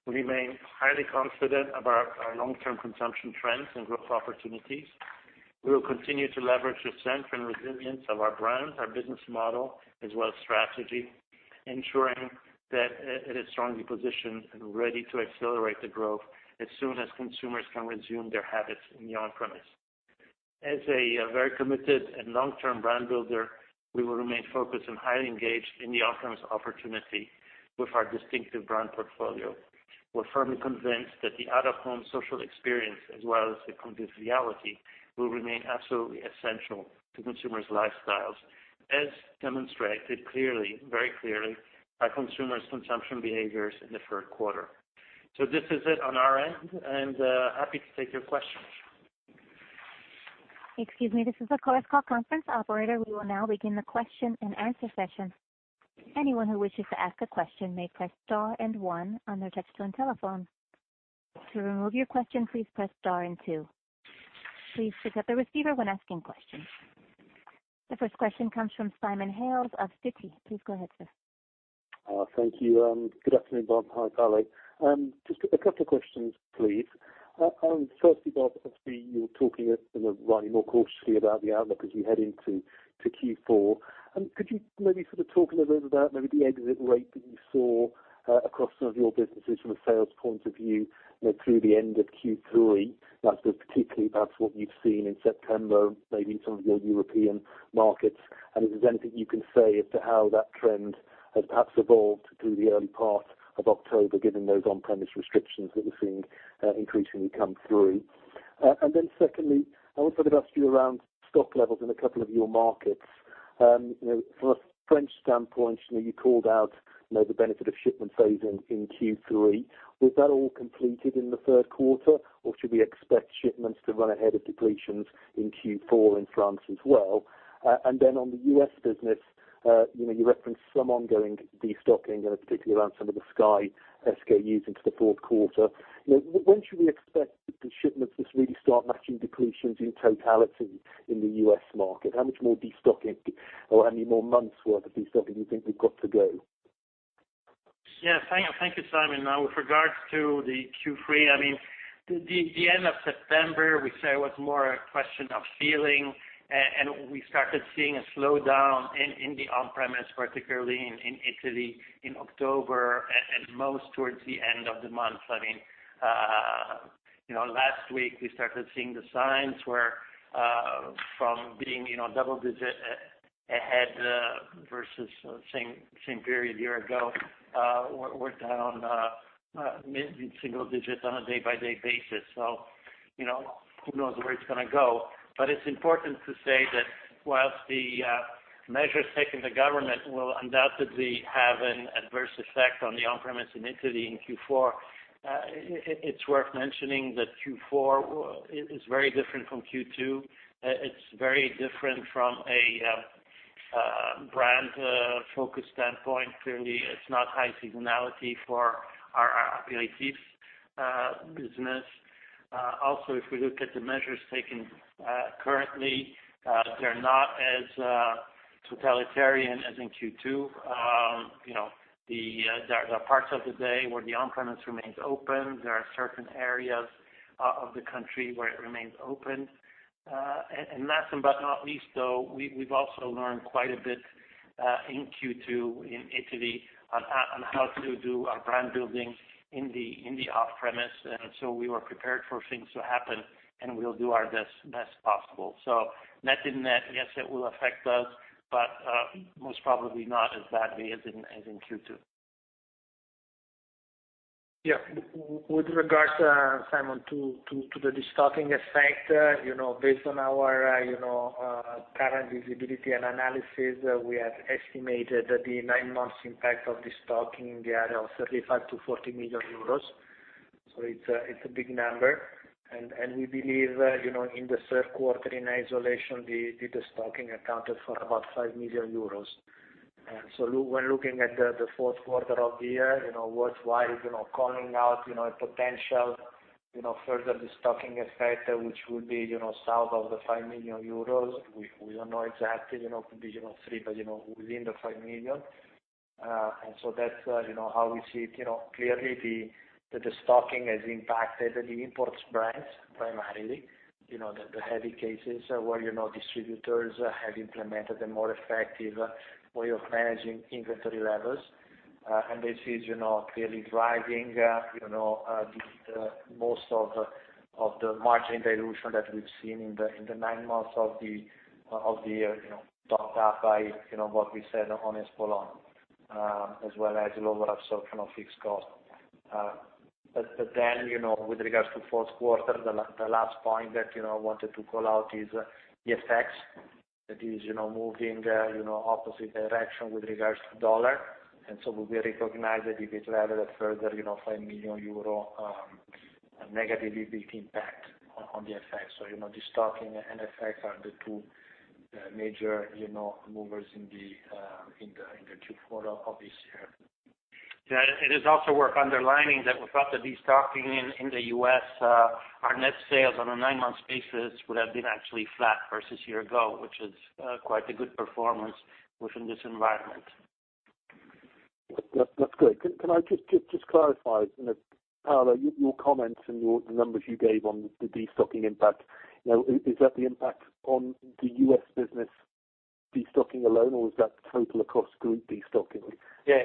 We remain highly confident about our long-term consumption trends and growth opportunities. We will continue to leverage the strength and resilience of our brand, our business model, as well as strategy, ensuring that it is strongly positioned and ready to accelerate the growth as soon as consumers can resume their habits in the on-premise. As a very committed and long-term brand builder, we will remain focused and highly engaged in the off-premise opportunity with our distinctive brand portfolio. We're firmly convinced that the out-of-home social experience as well as the convivial reality will remain absolutely essential to consumers' lifestyles, as demonstrated very clearly by consumers' consumption behaviors in the third quarter. This is it on our end, and happy to take your questions.
Excuse me. This is the Chorus Call conference operator. We will now begin the question and answer session. Anyone who wishes to ask a question may press star and one on their touch-tone telephone. To remove your question, please press star and two. Please pick up the receiver when asking questions. The first question comes from Simon Hales of Citi. Please go ahead, sir.
Thank you. Good afternoon, Bob. Hi, Paolo. Just a couple of questions, please. Firstly, Bob, obviously, you're talking in a line more cautiously about the outlook as we head into Q4. Could you maybe talk a little bit about maybe the exit rate that you saw across some of your businesses from a sales point of view through the end of Q3? That's particularly perhaps what you've seen in September, maybe in some of your European markets. If there's anything you can say as to how that trend has perhaps evolved through the early part of October, given those on-premise restrictions that we're seeing increasingly come through. Secondly, I wanted to ask you around stock levels in a couple of your markets. From a French standpoint, you called out the benefit of shipment phasing in Q3. Was that all completed in the third quarter, or should we expect shipments to run ahead of depletions in Q4 in France as well? On the U.S. business, you referenced some ongoing destocking, particularly around some of the SKYY SKUs into the fourth quarter. When should we expect the shipments to really start matching depletions in totality in the U.S. market? How much more destocking or how many more months worth of destocking do you think we've got to go?
Yes. Thank you, Simon. With regards to the Q3, the end of September, we say it was more a question of feeling, we started seeing a slowdown in the on-premise, particularly in Italy in October, and most towards the end of the month. Last week, we started seeing the signs where from being double-digit ahead versus same period a year ago, we're down mid-single digits on a day-by-day basis. Who knows where it's going to go. It's important to say that whilst the measures taken, the government will undoubtedly have an adverse effect on the on-premise in Italy in Q4. It's worth mentioning that Q4 is very different from Q2. It's very different from a brand focus standpoint. Clearly, it's not high seasonality for our aperitif business. If we look at the measures taken currently, they're not as totalitarian as in Q2. There are parts of the day where the on-premise remains open. There are certain areas of the country where it remains open. Last but not least, though, we've also learned quite a bit in Q2 in Italy on how to do our brand building in the off-premise. We were prepared for things to happen, and we'll do our best possible. Net that, yes, it will affect us, but most probably not as badly as in Q2.
With regards, Simon, to the destocking effect based on our current visibility and analysis, we have estimated the nine months impact of destocking in the area of 35 million-40 million euros. It's a big number. We believe in the third quarter in isolation, the destocking accounted for about 5 million euros. When looking at the fourth quarter of the year, what's wise, calling out a potential further destocking effect, which will be south of the 5 million euros. We don't know exactly, provisional three, but within the 5 million. That's how we see it. Clearly, the destocking has impacted the imports brands primarily. The heavy cases where distributors have implemented a more effective way of managing inventory levels. This is clearly driving most of the margin dilution that we've seen in the nine months of the year, topped up by what we said on Espolòn, as well as lower absorption of fixed cost. With regards to fourth quarter, the last point that I wanted to call out is the FX. That is moving opposite direction with regards to dollar. We will recognize EBIT level at further 5 million euro negatively big impact on the FX. Destocking and FX are the two major movers in the Q4 of this year.
It is also worth underlining that without the destocking in the U.S., our net sales on a nine-month basis would have been actually flat versus year ago, which is quite a good performance within this environment.
That's great. Can I just clarify, Paolo, your comments and the numbers you gave on the destocking impact? Is that the impact on the U.S. business destocking alone, or is that total across group destocking?
Yeah,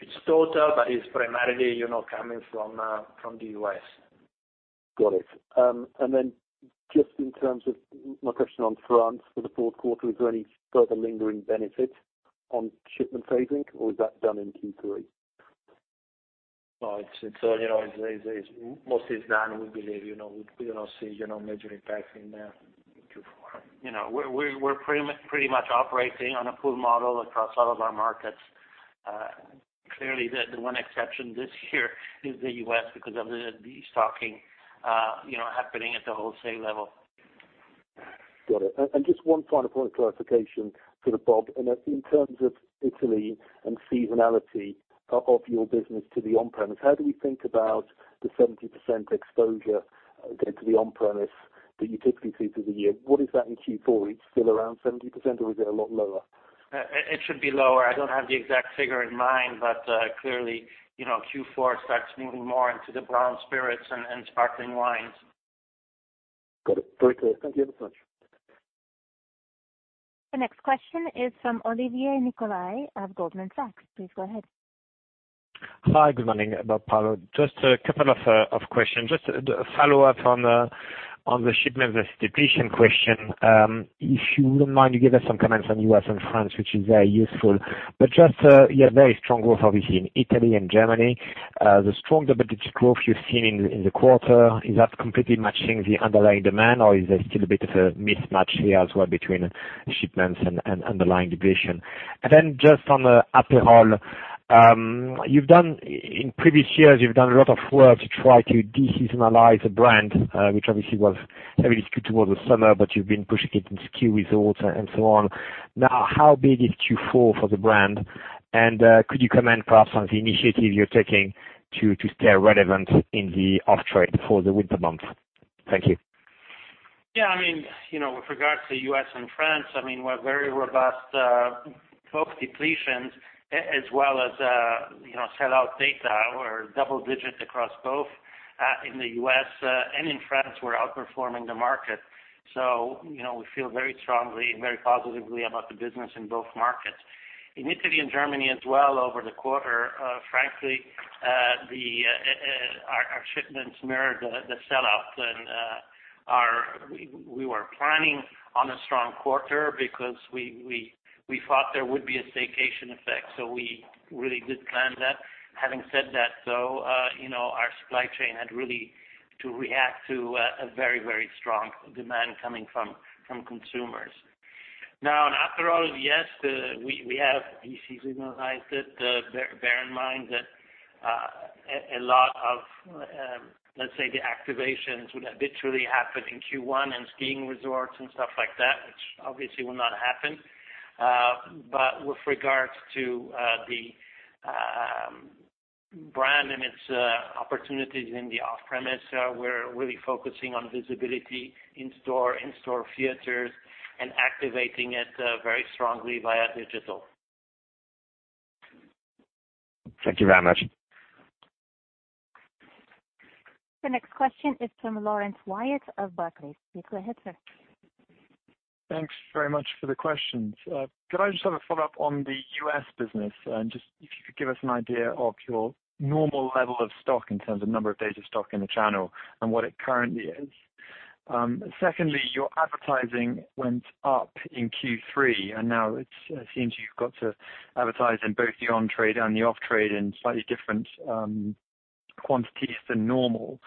it's total, but it's primarily coming from the U.S.
Got it. Then just in terms of my question on France for the fourth quarter, is there any further lingering benefit on shipment phasing, or is that done in Q3?
Most is done. We believe we will not see major impact in Q4.
We're pretty much operating on a pool model across all of our markets. Clearly, the one exception this year is the U.S. because of the destocking happening at the wholesale level.
Got it. Just one final point of clarification for Bob. In terms of Italy and seasonality of your business to the on-premise, how do we think about the 70% exposure, again, to the on-premise that you typically see through the year? What is that in Q4? It is still around 70%, or is it a lot lower?
It should be lower. I don't have the exact figure in mind, clearly, Q4 starts moving more into the brown spirits and sparkling wines.
Got it. Very clear. Thank you ever so much.
The next question is from Olivier Nicolaï of Goldman Sachs. Please go ahead.
Hi, good morning. Bob Paolo. Just a couple of questions. Just a follow-up on the shipments versus depletion question. If you wouldn't mind, you gave us some comments on U.S. and France, which is very useful. Just, you had very strong growth, obviously, in Italy and Germany. The strong double-digit growth you've seen in the quarter, is that completely matching the underlying demand, or is there still a bit of a mismatch here as well between shipments and underlying depletion? Then just on Aperol. In previous years, you've done a lot of work to try to de-seasonalize the brand, which obviously was very difficult towards the summer, but you've been pushing it in ski resorts and so on. How big is Q4 for the brand? Could you comment perhaps on the initiative you're taking to stay relevant in the off trade for the winter months? Thank you.
Yeah, with regards to U.S. and France, we had very robust both depletions as well as sell-out data or double digits across both in the U.S. and in France, we're outperforming the market. We feel very strongly and very positively about the business in both markets. In Italy and Germany as well over the quarter, frankly, our shipments mirror the sell-out. We were planning on a strong quarter because we thought there would be a staycation effect, so we really did plan that. Having said that, though our supply chain had really to react to a very, very strong demand coming from consumers. Now, in Aperol, yes, we have de-seasonalized it. Bear in mind that a lot of, let's say, the activations would habitually happen in Q1 and skiing resorts and stuff like that, which obviously will not happen. With regards to the brand and its opportunities in the off-premise, we're really focusing on visibility in store, in-store theaters, and activating it very strongly via digital.
Thank you very much.
The next question is from Laurence Whyatt of Barclays. Please go ahead, sir.
Thanks very much for the questions. Could I just have a follow-up on the U.S. business and just if you could give us an idea of your normal level of stock in terms of number of days of stock in the channel and what it currently is? Secondly, your advertising went up in Q3, and now it seems you've got to advertise in both the on-trade and the off-trade in slightly different quantities than normal.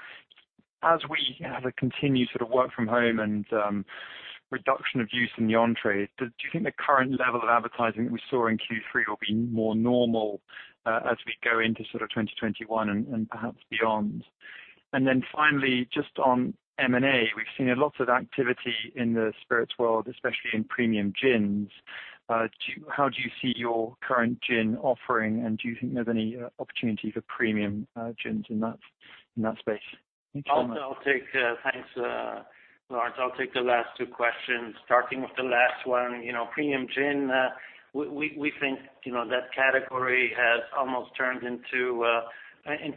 Finally, just on M&A, we've seen lots of activity in the spirits world, especially in premium gins. How do you see your current gin offering, and do you think there's any opportunity for premium gins in that space? Thank you very much.
Thanks, Laurence. I'll take the last two questions, starting with the last one. Premium gin, we think that category has almost turned into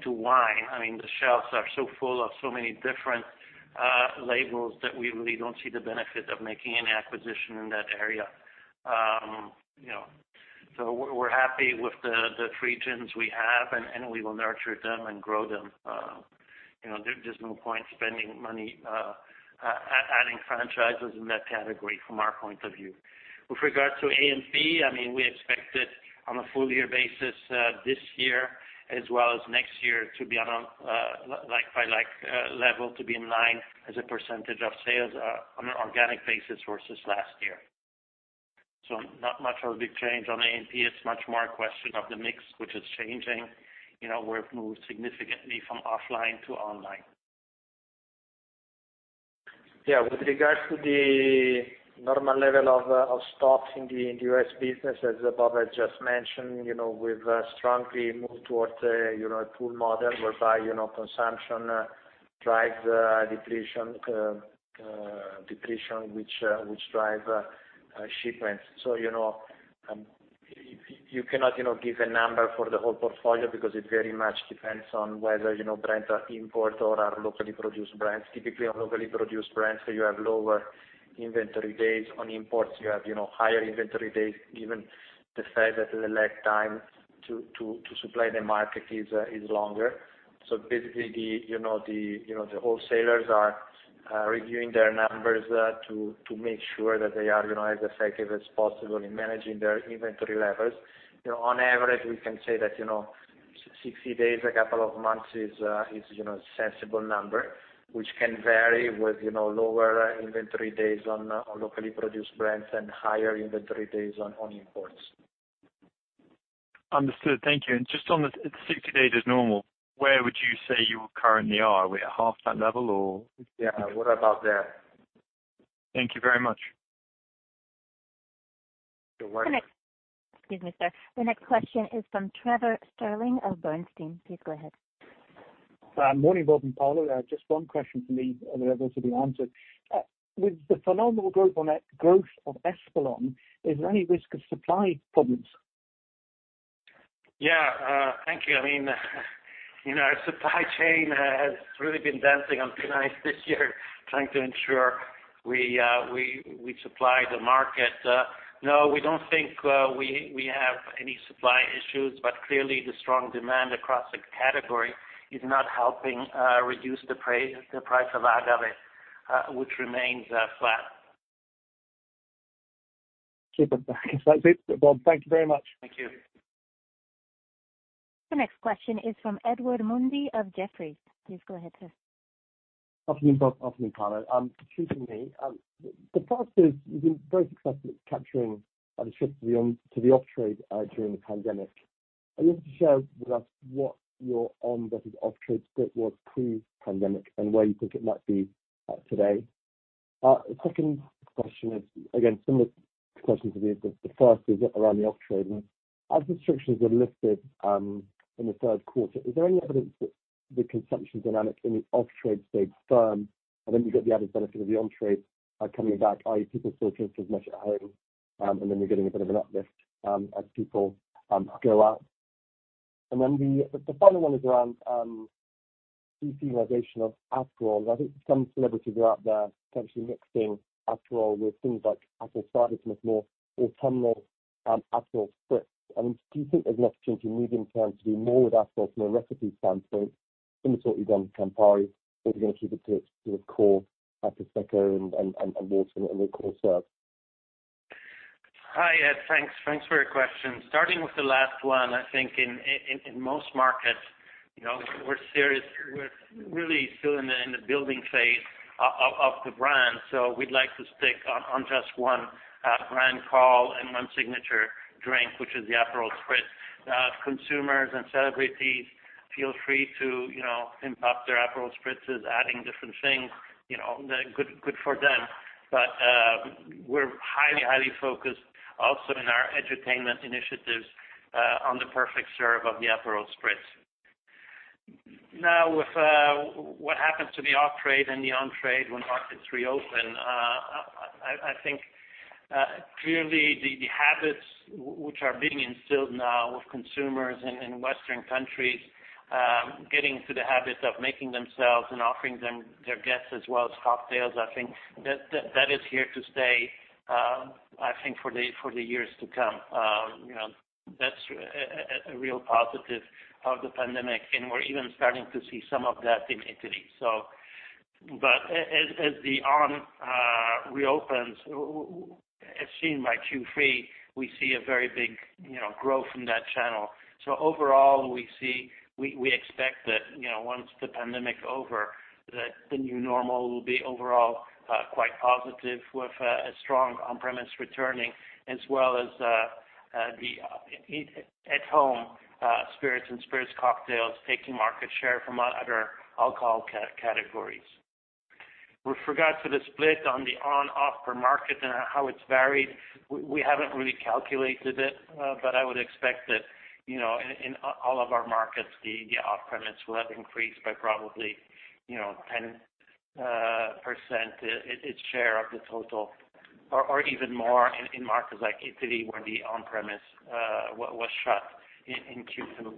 wine. The shelves are so full of so many different labels that we really don't see the benefit of making any acquisition in that area. We're happy with the three gins we have, and we will nurture them and grow them. There's no point spending money adding franchises in that category from our point of view. With regard to A&P, we expect it on a full -year basis this year as well as next year to be on a like-by-like level to be in line as a % of sales on an organic basis versus last year. Not much of a big change on A&P. It's much more a question of the mix, which is changing. We've moved significantly from offline to online.
With regards to the normal level of stocks in the U.S. business, as Bob has just mentioned, we've strongly moved towards a pull model whereby consumption drives depletion which drive shipments. You cannot give a number for the whole portfolio because it very much depends on whether brands are import or are locally produced brands. Typically, on locally produced brands, you have lower inventory days. On imports, you have higher inventory days, given the fact that the lag time to supply the market is longer. Basically, the wholesalers are reviewing their numbers to make sure that they are as effective as possible in managing their inventory levels. On average, we can say that 60 days, a couple of months is a sensible number, which can vary with lower inventory days on locally produced brands and higher inventory days on imports.
Understood. Thank you. Just on the 60 days as normal, where would you say you currently are? Are we at half that level or?
Yeah, we're about there.
Thank you very much.
You're welcome.
Excuse me, sir. The next question is from Trevor Stirling of Bernstein. Please go ahead.
Morning, Bob and Paolo. Just one question from me, if it was to be answered. With the phenomenal growth on net growth of Espolòn, is there any risk of supply problems?
Yeah. Thank you. Our supply chain has really been dancing on thin ice this year trying to ensure we supply the market. No, we don't think we have any supply issues, but clearly the strong demand across the category is not helping reduce the price of agave, which remains flat.
Okay, Bob. That's it for Bob. Thank you very much.
Thank you.
The next question is from Edward Mundy of Jefferies. Please go ahead, sir.
Afternoon, Bob. Afternoon, Paolo. Two from me. The first is, you've been very successful at capturing the shift to the off-trade during the pandemic. I wonder if you could share with us what your on versus off-trade split was pre-pandemic, and where you think it might be today. The second question is, again, similar question to the first, is around the off-trade. As restrictions are lifted in the third quarter, is there any evidence that the consumption dynamics in the off-trade stayed firm, and then you get the added benefit of the on-trade coming back, i.e., people still drink as much at home, and then you're getting a bit of an uplift as people go out? The final one is around de-seasonalization of Aperol. I think some celebrities are out there potentially mixing Aperol with things like apple cider, some of more autumnal Aperol Spritz. Do you think there's an opportunity medium-term to do more with Aperol from a recipe standpoint, similar to what you've done with Campari, or are you going to keep it to the core Aperol Spritz and water and the core serve?
Hi, Ed. Thanks for your question. Starting with the last one, I think in most markets, we're really still in the building phase of the brand. We'd like to stick on just one brand call and one signature drink, which is the Aperol Spritz. Consumers and celebrities feel free to pimp up their Aperol Spritzes, adding different things. Good for them. We're highly focused also in our edutainment initiatives on the perfect serve of the Aperol Spritz. Now, with what happens to the off-trade and the on-trade when markets reopen, I think clearly the habits which are being instilled now with consumers in Western countries, getting to the habits of making themselves and offering their guests as well as cocktails, I think that is here to stay, I think, for the years to come. That's a real positive of the pandemic. We're even starting to see some of that in Italy. As the on reopens, as seen by Q3, we see a very big growth from that channel. Overall, we expect that once the pandemic's over, that the new normal will be overall quite positive, with a strong on-premise returning, as well as the at-home spirits and spirits cocktails taking market share from other alcohol categories. With regards to the split on the on/off per market and how it's varied, we haven't really calculated it. I would expect that in all of our markets, the off-premise will have increased by probably 10% its share of the total, or even more in markets like Italy where the on-premise was shut in Q2.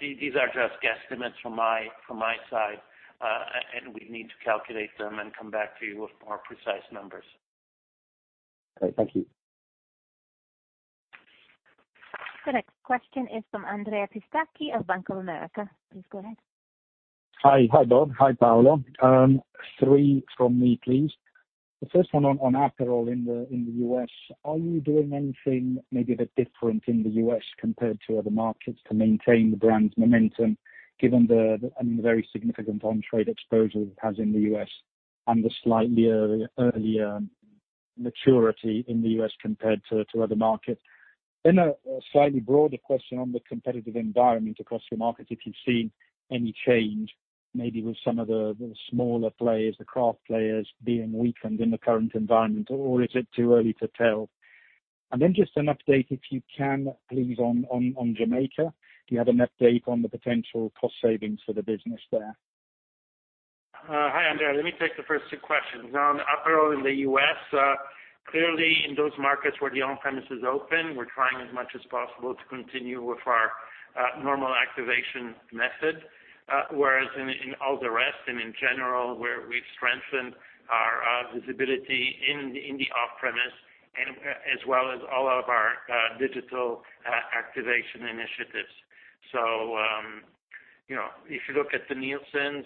These are just guesstimates from my side, and we need to calculate them and come back to you with more precise numbers.
Great. Thank you.
The next question is from Andrea Pistacchi of Bank of America. Please go ahead.
Hi, Bob. Hi, Paolo. Three from me, please. The first one on Aperol in the U.S. Are you doing anything maybe a bit different in the U.S. compared to other markets to maintain the brand's momentum, given the very significant on-trade exposure it has in the U.S., and the slightly earlier maturity in the U.S. compared to other markets? A slightly broader question on the competitive environment across your markets. If you've seen any change, maybe with some of the smaller players, the craft players being weakened in the current environment, or is it too early to tell? Just an update, if you can, please, on Jamaica. Do you have an update on the potential cost savings for the business there?
Hi, Andrea. Let me take the first two questions. On Aperol in the U.S., clearly in those markets where the on-premise is open, we're trying as much as possible to continue with our normal activation method. Whereas in all the rest, and in general, where we've strengthened our visibility in the off-premise, as well as all of our digital activation initiatives. If you look at the Nielsen,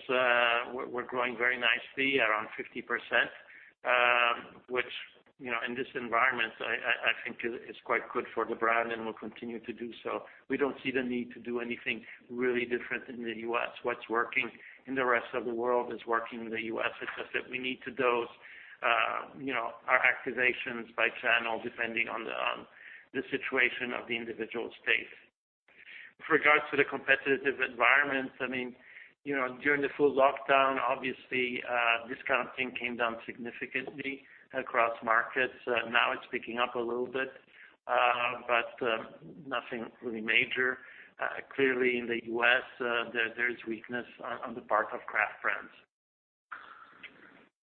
we're growing very nicely around 50%, which in this environment, I think is quite good for the brand and will continue to do so. We don't see the need to do anything really different in the U.S. What's working in the rest of the world is working in the U.S. It's just that we need to dose our activations by channel, depending on the situation of the individual state. With regards to the competitive environment, during the full lockdown, obviously, discounting came down significantly across markets. It's picking up a little bit, but nothing really major. In the U.S., there is weakness on the part of craft brands.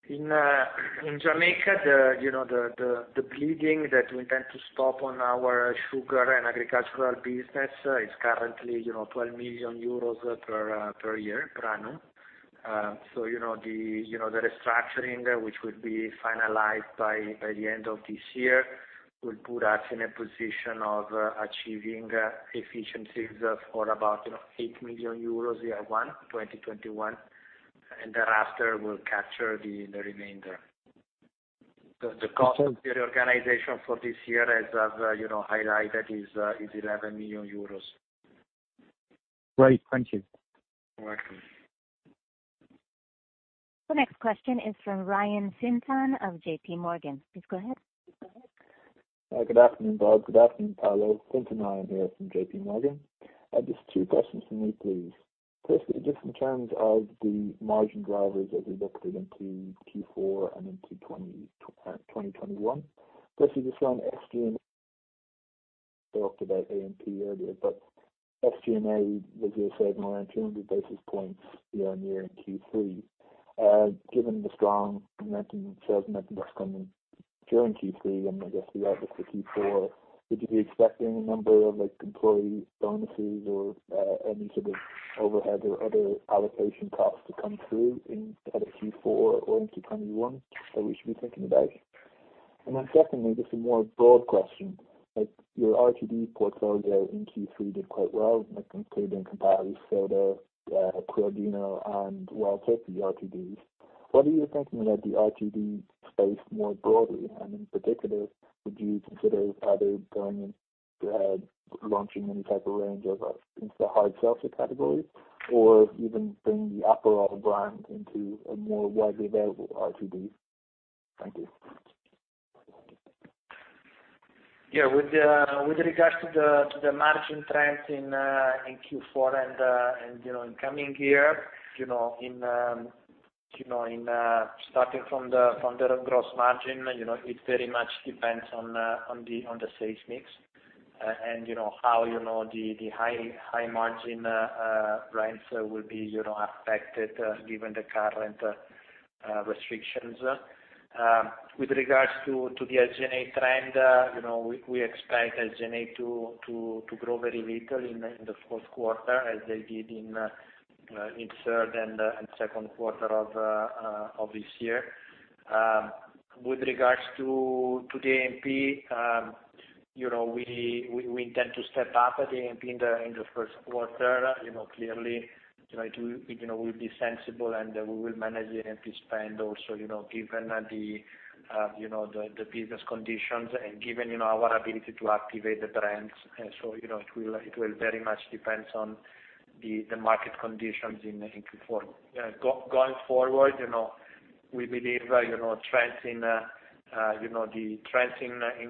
In Jamaica, the bleeding that we tend to stop on our sugar and agricultural business is currently 12 million euros per year, per annum. The restructuring, which will be finalized by the end of this year, will put us in a position of achieving efficiencies for about 8 million euros year one, 2021, and thereafter we'll capture the remainder. The cost of the reorganization for this year, as I've highlighted, is 11 million euros.
Great. Thank you.
You're welcome.
The next question is from Fintan Ryan of JP Morgan. Please go ahead.
Hi, good afternoon, Bob. Good afternoon, Paolo. Fintan Ryan here from JP Morgan. Just two questions from me, please. Just in terms of the margin drivers as we look through into Q4 and into 2021. Just on SG&A, you talked about A&P earlier, but SG&A was, you said, around 200 basis points year-on-year in Q3. Given the strong momentum, sales momentum coming during Q3, and I guess throughout most of Q4, would you be expecting a number of employee bonuses or any sort of overhead or other allocation costs to come through in either Q4 or into 2021 that we should be thinking about? Secondly, just a more broad question. Your RTD portfolio in Q3 did quite well, including Campari Soda, Crodino, and Wild Turkey RTDs. What are you thinking about the RTD space more broadly, and in particular, would you consider either going ahead launching any type of range into the hard seltzer category, or even bring the Aperol brand into a more widely available RTD? Thank you.
Yeah. With regard to the margin trends in Q4 and in coming year, starting from the gross margin, it very much depends on the sales mix and how the high margin brands will be affected given the current restrictions. With regards to the SG&A trend, we expect SG&A to grow very little in the fourth quarter as they did in third and second quarter of this year. With regards to the A&P, we intend to step up the A&P in the first quarter. Clearly, we'll be sensible and we will manage the A&P spend also given the business conditions and given our ability to activate the brands. It will very much depend on the market conditions in Q4. Going forward, we believe the trends in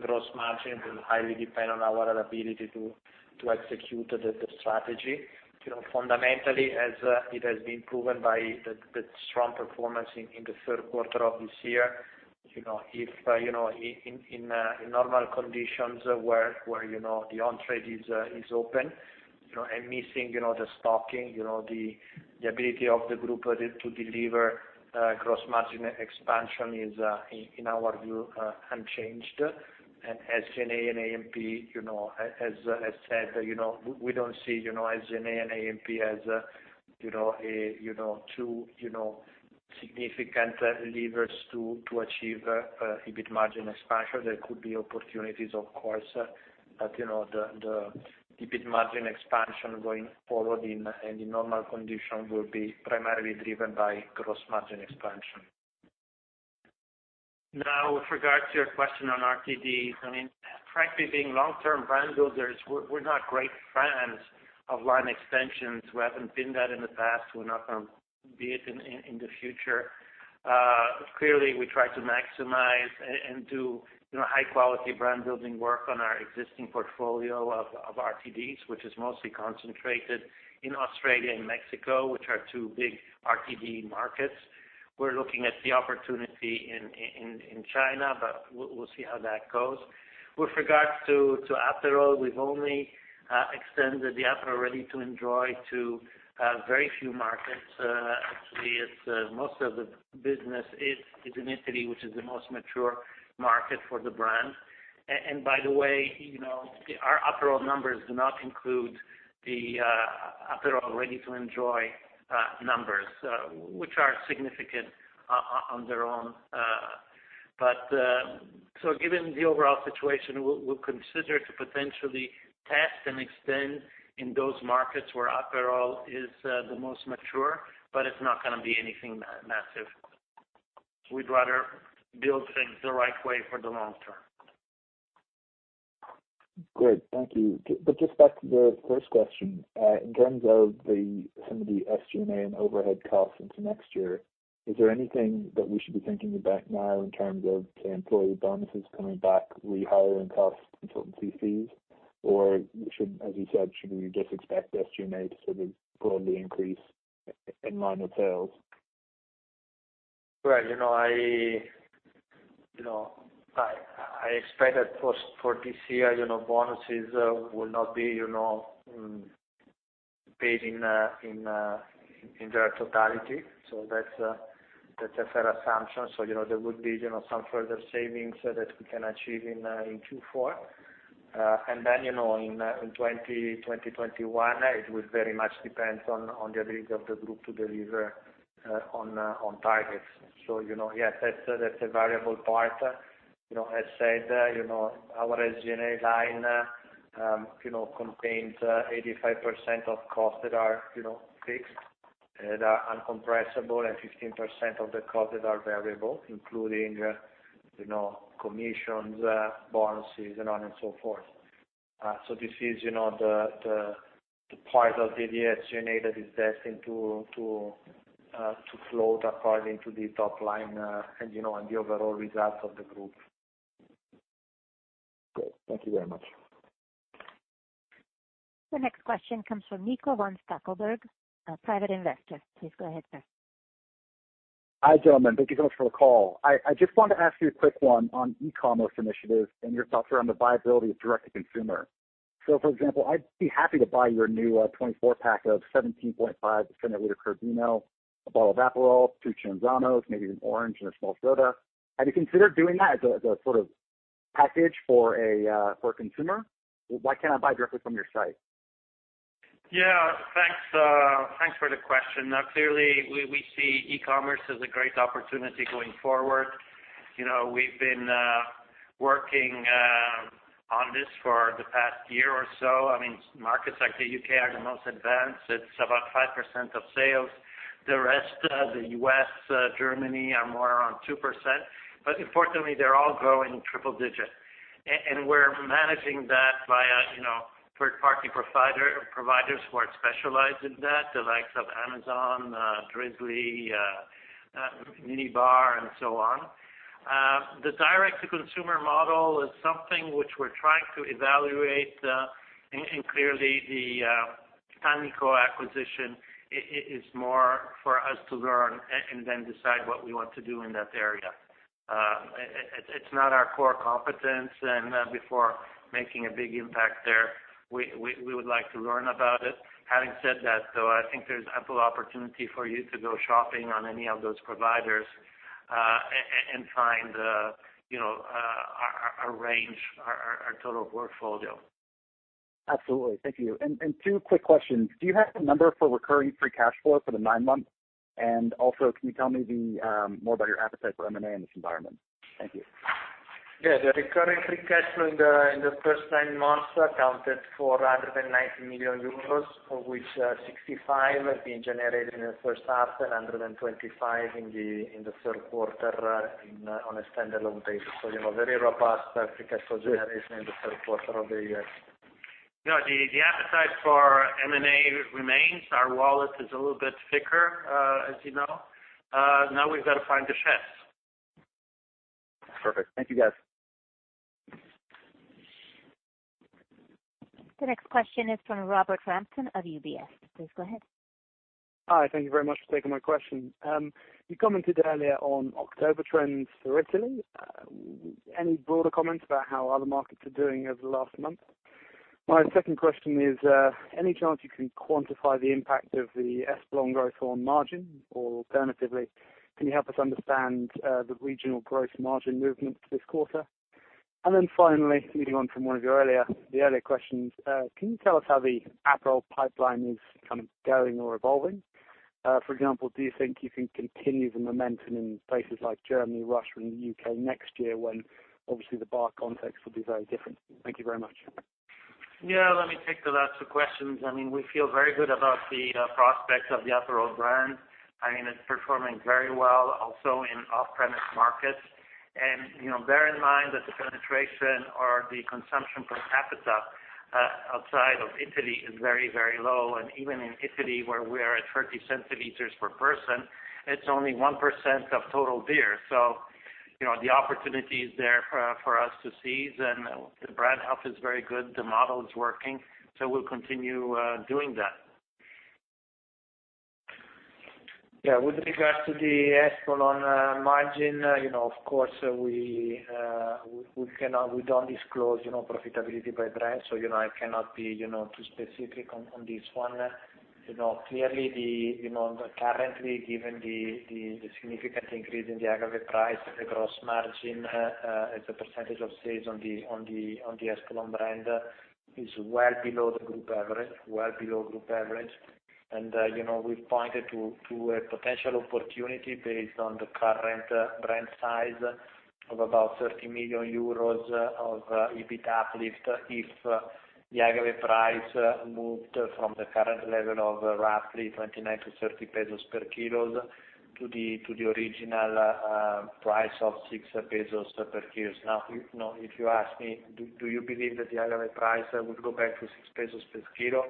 gross margin will highly depend on our ability to execute the strategy. Fundamentally, as it has been proven by the strong performance in the third quarter of this year, in normal conditions where the on-trade is open and missing the stocking, the ability of the group to deliver gross margin expansion is, in our view, unchanged. SG&A and AMP, as I said, we don't see SG&A and AMP as two significant levers to achieve EBIT margin expansion. There could be opportunities, of course, but the EBIT margin expansion going forward and in normal condition will be primarily driven by gross margin expansion.
With regards to your question on RTDs, frankly, being long-term brand builders, we're not great fans of line extensions. We haven't been that in the past. We're not going to be it in the future. We try to maximize and do high quality brand building work on our existing portfolio of RTDs, which is mostly concentrated in Australia and Mexico, which are two big RTD markets. We're looking at the opportunity in China, we'll see how that goes. With regards to Aperol, we've only extended the Aperol Ready to Enjoy to very few markets. Actually, most of the business is in Italy, which is the most mature market for the brand. By the way, our Aperol numbers do not include the Aperol Ready to Enjoy numbers, which are significant on their own. Given the overall situation, we'll consider to potentially test and extend in those markets where Aperol is the most mature, but it's not going to be anything massive. We'd rather build things the right way for the long- term.
Great, thank you. Just back to the first question. In terms of some of the SG&A and overhead costs into next year, is there anything that we should be thinking about now in terms of employee bonuses coming back, rehiring costs, consultancy fees? As you said, should we just expect SG&A to sort of broadly increase in line with sales?
I expect that for this year, bonuses will not be paid in their totality. That's a fair assumption. There would be some further savings that we can achieve in Q4. In 2021, it will very much depend on the ability of the group to deliver on targets. Yes, that's a variable part. As said, our SG&A line contains 85% of costs that are fixed and are uncompressible, and 15% of the costs that are variable, including commissions, bonuses, and so forth. This is the part of the SG&A that is destined to float according to the top line and the overall results of the group.
Great. Thank you very much.
The next question comes from Niko von Stackelberg, a private investor. Please go ahead, sir.
Hi, gentlemen. Thank you so much for the call. I just wanted to ask you a quick one on e-commerce initiatives and your thoughts around the viability of direct-to-consumer. For example, I'd be happy to buy your new 24-pack of 17.5% Abita Turbino, a bottle of Aperol, two Campari Sodas, maybe an orange, and a small soda. Have you considered doing that as a sort of package for a consumer? Why can't I buy directly from your site?
Yeah, thanks for the question. Clearly, we see e-commerce as a great opportunity going forward. We've been working on this for the past year or so. Markets like the U.K. are the most advanced. It's about 5% of sales. The rest, the U.S., Germany, are more around 2%. Importantly, they're all growing triple digits. We're managing that via third-party providers who are specialized in that, the likes of Amazon, Drizly, Minibar, and so on. The direct-to-consumer model is something which we're trying to evaluate. Clearly, the Tannico acquisition is more for us to learn and decide what we want to do in that area. It's not our core competence. Before making a big impact there, we would like to learn about it. Having said that, though, I think there's ample opportunity for you to go shopping on any of those providers and find our range, our total portfolio.
Absolutely. Thank you. Two quick questions. Do you have a number for recurring free cash flow for the nine months? Also, can you tell me more about your appetite for M&A in this environment? Thank you.
The recurring free cash flow in the first nine months accounted for 190 million euros, of which 65 had been generated in the first half and 125 in the third quarter on a standalone basis. Very robust free cash flow generation in the third quarter of the year.
The appetite for M&A remains. Our wallet is a little bit thicker, as you know. Now we've got to find the chefs.
Perfect. Thank you, guys.
The next question is from Robert Rampton of UBS. Please go ahead.
Hi. Thank you very much for taking my question. You commented earlier on October trends for Italy. Any broader comments about how other markets are doing over the last month? My second question is, any chance you can quantify the impact of the Espolòn growth on margin? Alternatively, can you help us understand the regional gross margin movements this quarter? Finally, leading on from one of the earlier questions, can you tell us how the Aperol pipeline is kind of going or evolving? For example, do you think you can continue the momentum in places like Germany, Russia, and the U.K. next year when obviously the bar context will be very different? Thank you very much.
Yeah. Let me take the latter two questions. We feel very good about the prospects of the Aperol brand. It's performing very well also in off-premise markets. Bear in mind that the penetration or the consumption per capita outside of Italy is very low. Even in Italy, where we are at 30 centiliters per person, it's only 1% of total beer. The opportunity is there for us to seize, and the brand health is very good. The model is working, so we'll continue doing that.
Yeah. With regards to the Espolòn margin, of course, we don't disclose profitability by brand, so I cannot be too specific on this one. Clearly, currently, given the significant increase in the agaveros price, the gross margin as a percentage of sales on the Espolòn brand is well below the group average. We pointed to a potential opportunity based on the current brand size of about €30 million of EBIT uplift if the agaveros price moved from the current level of roughly 29-30 pesos per kilo to the original price of six pesos per kilo. Now, if you ask me, "Do you believe that the agaveros price would go back to six pesos per kilo?"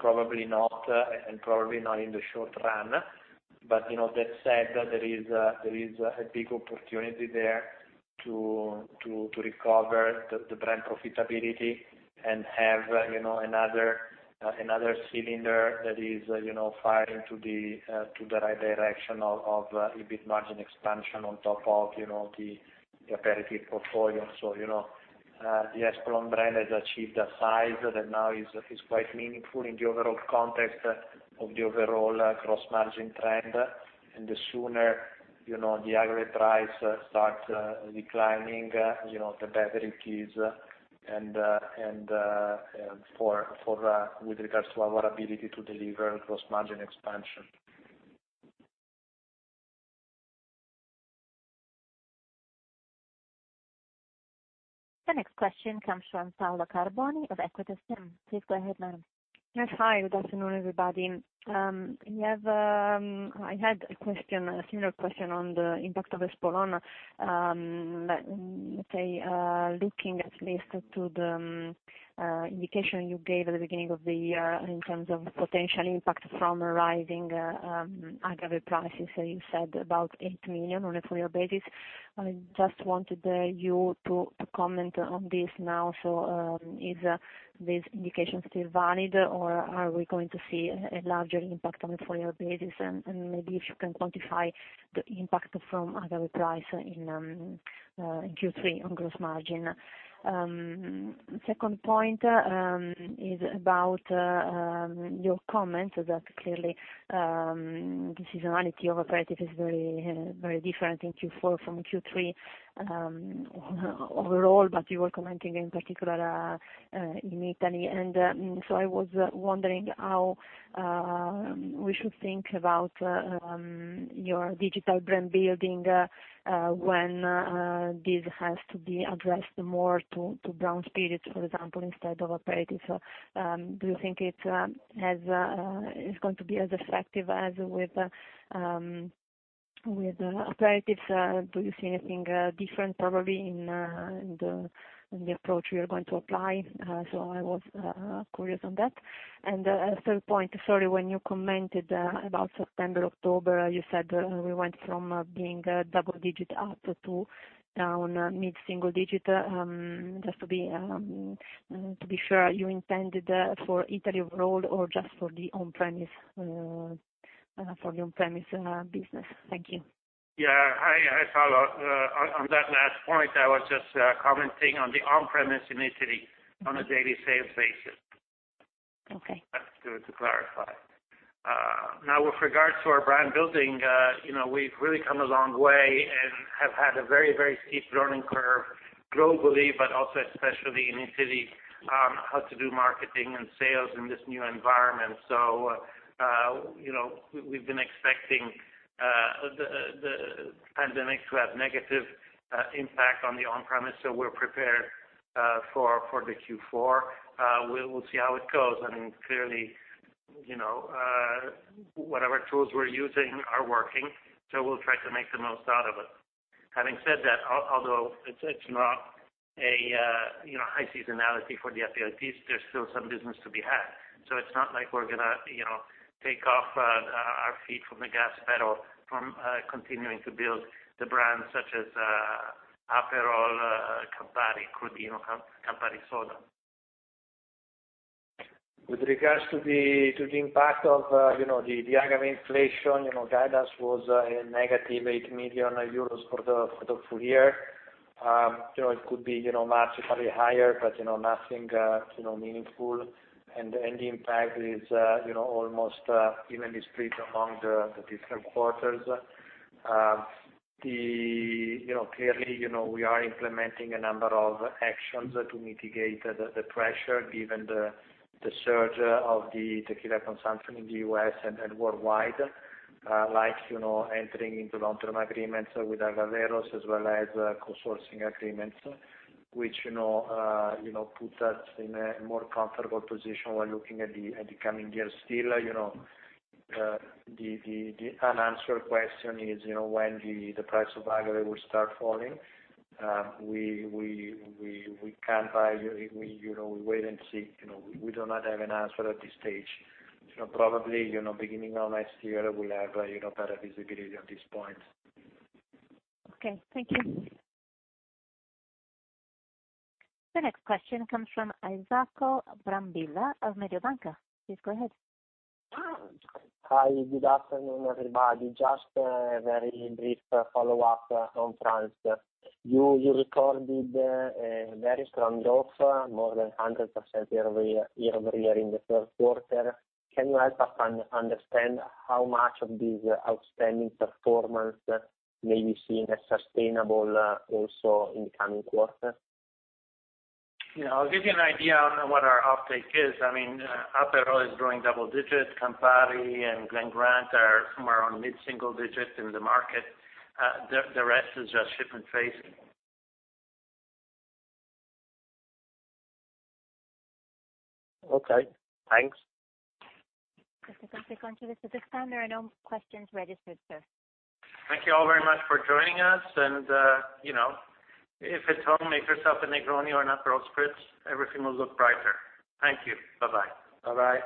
Probably not, and probably not in the short run. That said, there is a big opportunity there.
To recover the brand profitability and have another cylinder that is firing to the right direction of EBIT margin expansion on top of the aperitif portfolio. The Espolòn brand has achieved a size that now is quite meaningful in the overall context of the overall gross margin trend. The sooner the agave price starts declining, the better it is with regards to our ability to deliver gross margin expansion.
The next question comes from Paola Carboni of EQUITA SIM. Please go ahead, ma'am.
Yes. Hi, good afternoon, everybody. I had a similar question on the impact of Espolòn. Let's say, looking at least to the indication you gave at the beginning of the year in terms of potential impact from rising agave prices, you said about 8 million on a full- year basis. I just wanted you to comment on this now. Is this indication still valid, or are we going to see a larger impact on a full- year basis? Maybe if you can quantify the impact from agave price in Q3 on gross margin. Second point is about your comments that clearly seasonality of aperitif is very different in Q4 from Q3 overall, but you were commenting in particular in Italy. I was wondering how we should think about your digital brand building, when this has to be addressed more to brown spirits, for example, instead of aperitifs. Do you think it's going to be as effective as with aperitifs? Do you see anything different probably in the approach you are going to apply? I was curious on that. Third point, sorry, when you commented about September, October, you said we went from being double-digit up to down mid-single-digit. Just to be sure, you intended for Italy overall or just for the on-premise business? Thank you.
Yeah. Hi, Paola. On that last point, I was just commenting on the on-premise in Italy on a daily sales basis.
Okay.
Just to clarify. With regards to our brand building, we've really come a long way and have had a very steep learning curve globally, but also especially in Italy, how to do marketing and sales in this new environment. We've been expecting the pandemic to have negative impact on the on-premise, so we're prepared for the Q4. We'll see how it goes. I mean, clearly whatever tools we're using are working, so we'll try to make the most out of it. Having said that, although it's not a high seasonality for the aperitifs, there's still some business to be had. It's not like we're going to take our feet off the gas pedal from continuing to build the brands such as Aperol, Campari, Crodino, Campari Soda.
With regards to the impact of the agave inflation, guidance was a negative 8 million euros for the full year. It could be marginally higher, but nothing meaningful. The impact is almost evenly split among the different quarters. Clearly, we are implementing a number of actions to mitigate the pressure given the surge of the tequila consumption in the U.S. and worldwide, like entering into long-term agreements with agaveros as well as co-sourcing agreements, which put us in a more comfortable position while looking at the coming years. Still, the unanswered question is when the price of agave will start falling. We wait and see. We do not have an answer at this stage. Probably beginning of next year, we'll have better visibility at this point.
Okay. Thank you.
The next question comes from Isacco Brambilla of Mediobanca. Please go ahead.
Hi. Good afternoon, everybody. Just a very brief follow-up on France. You recorded a very strong growth, more than 100% year-over-year in the third quarter. Can you help us understand how much of this outstanding performance may be seen as sustainable also in the coming quarter?
Yeah. I'll give you an idea on what our off-take is. I mean, Aperol is growing double-digit. Campari and Glen Grant are somewhere around mid-single-digit in the market. The rest is just ship and trade.
Okay, thanks.
That's it for questions at this time. There are no questions registered, sir.
Thank you all very much for joining us, and if at home, make yourself a Negroni or an Aperol Spritz, everything will look brighter. Thank you. Bye-bye.
Bye-bye.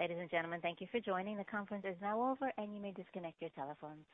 Ladies and gentlemen, thank you for joining. The conference is now over, and you may disconnect your telephones.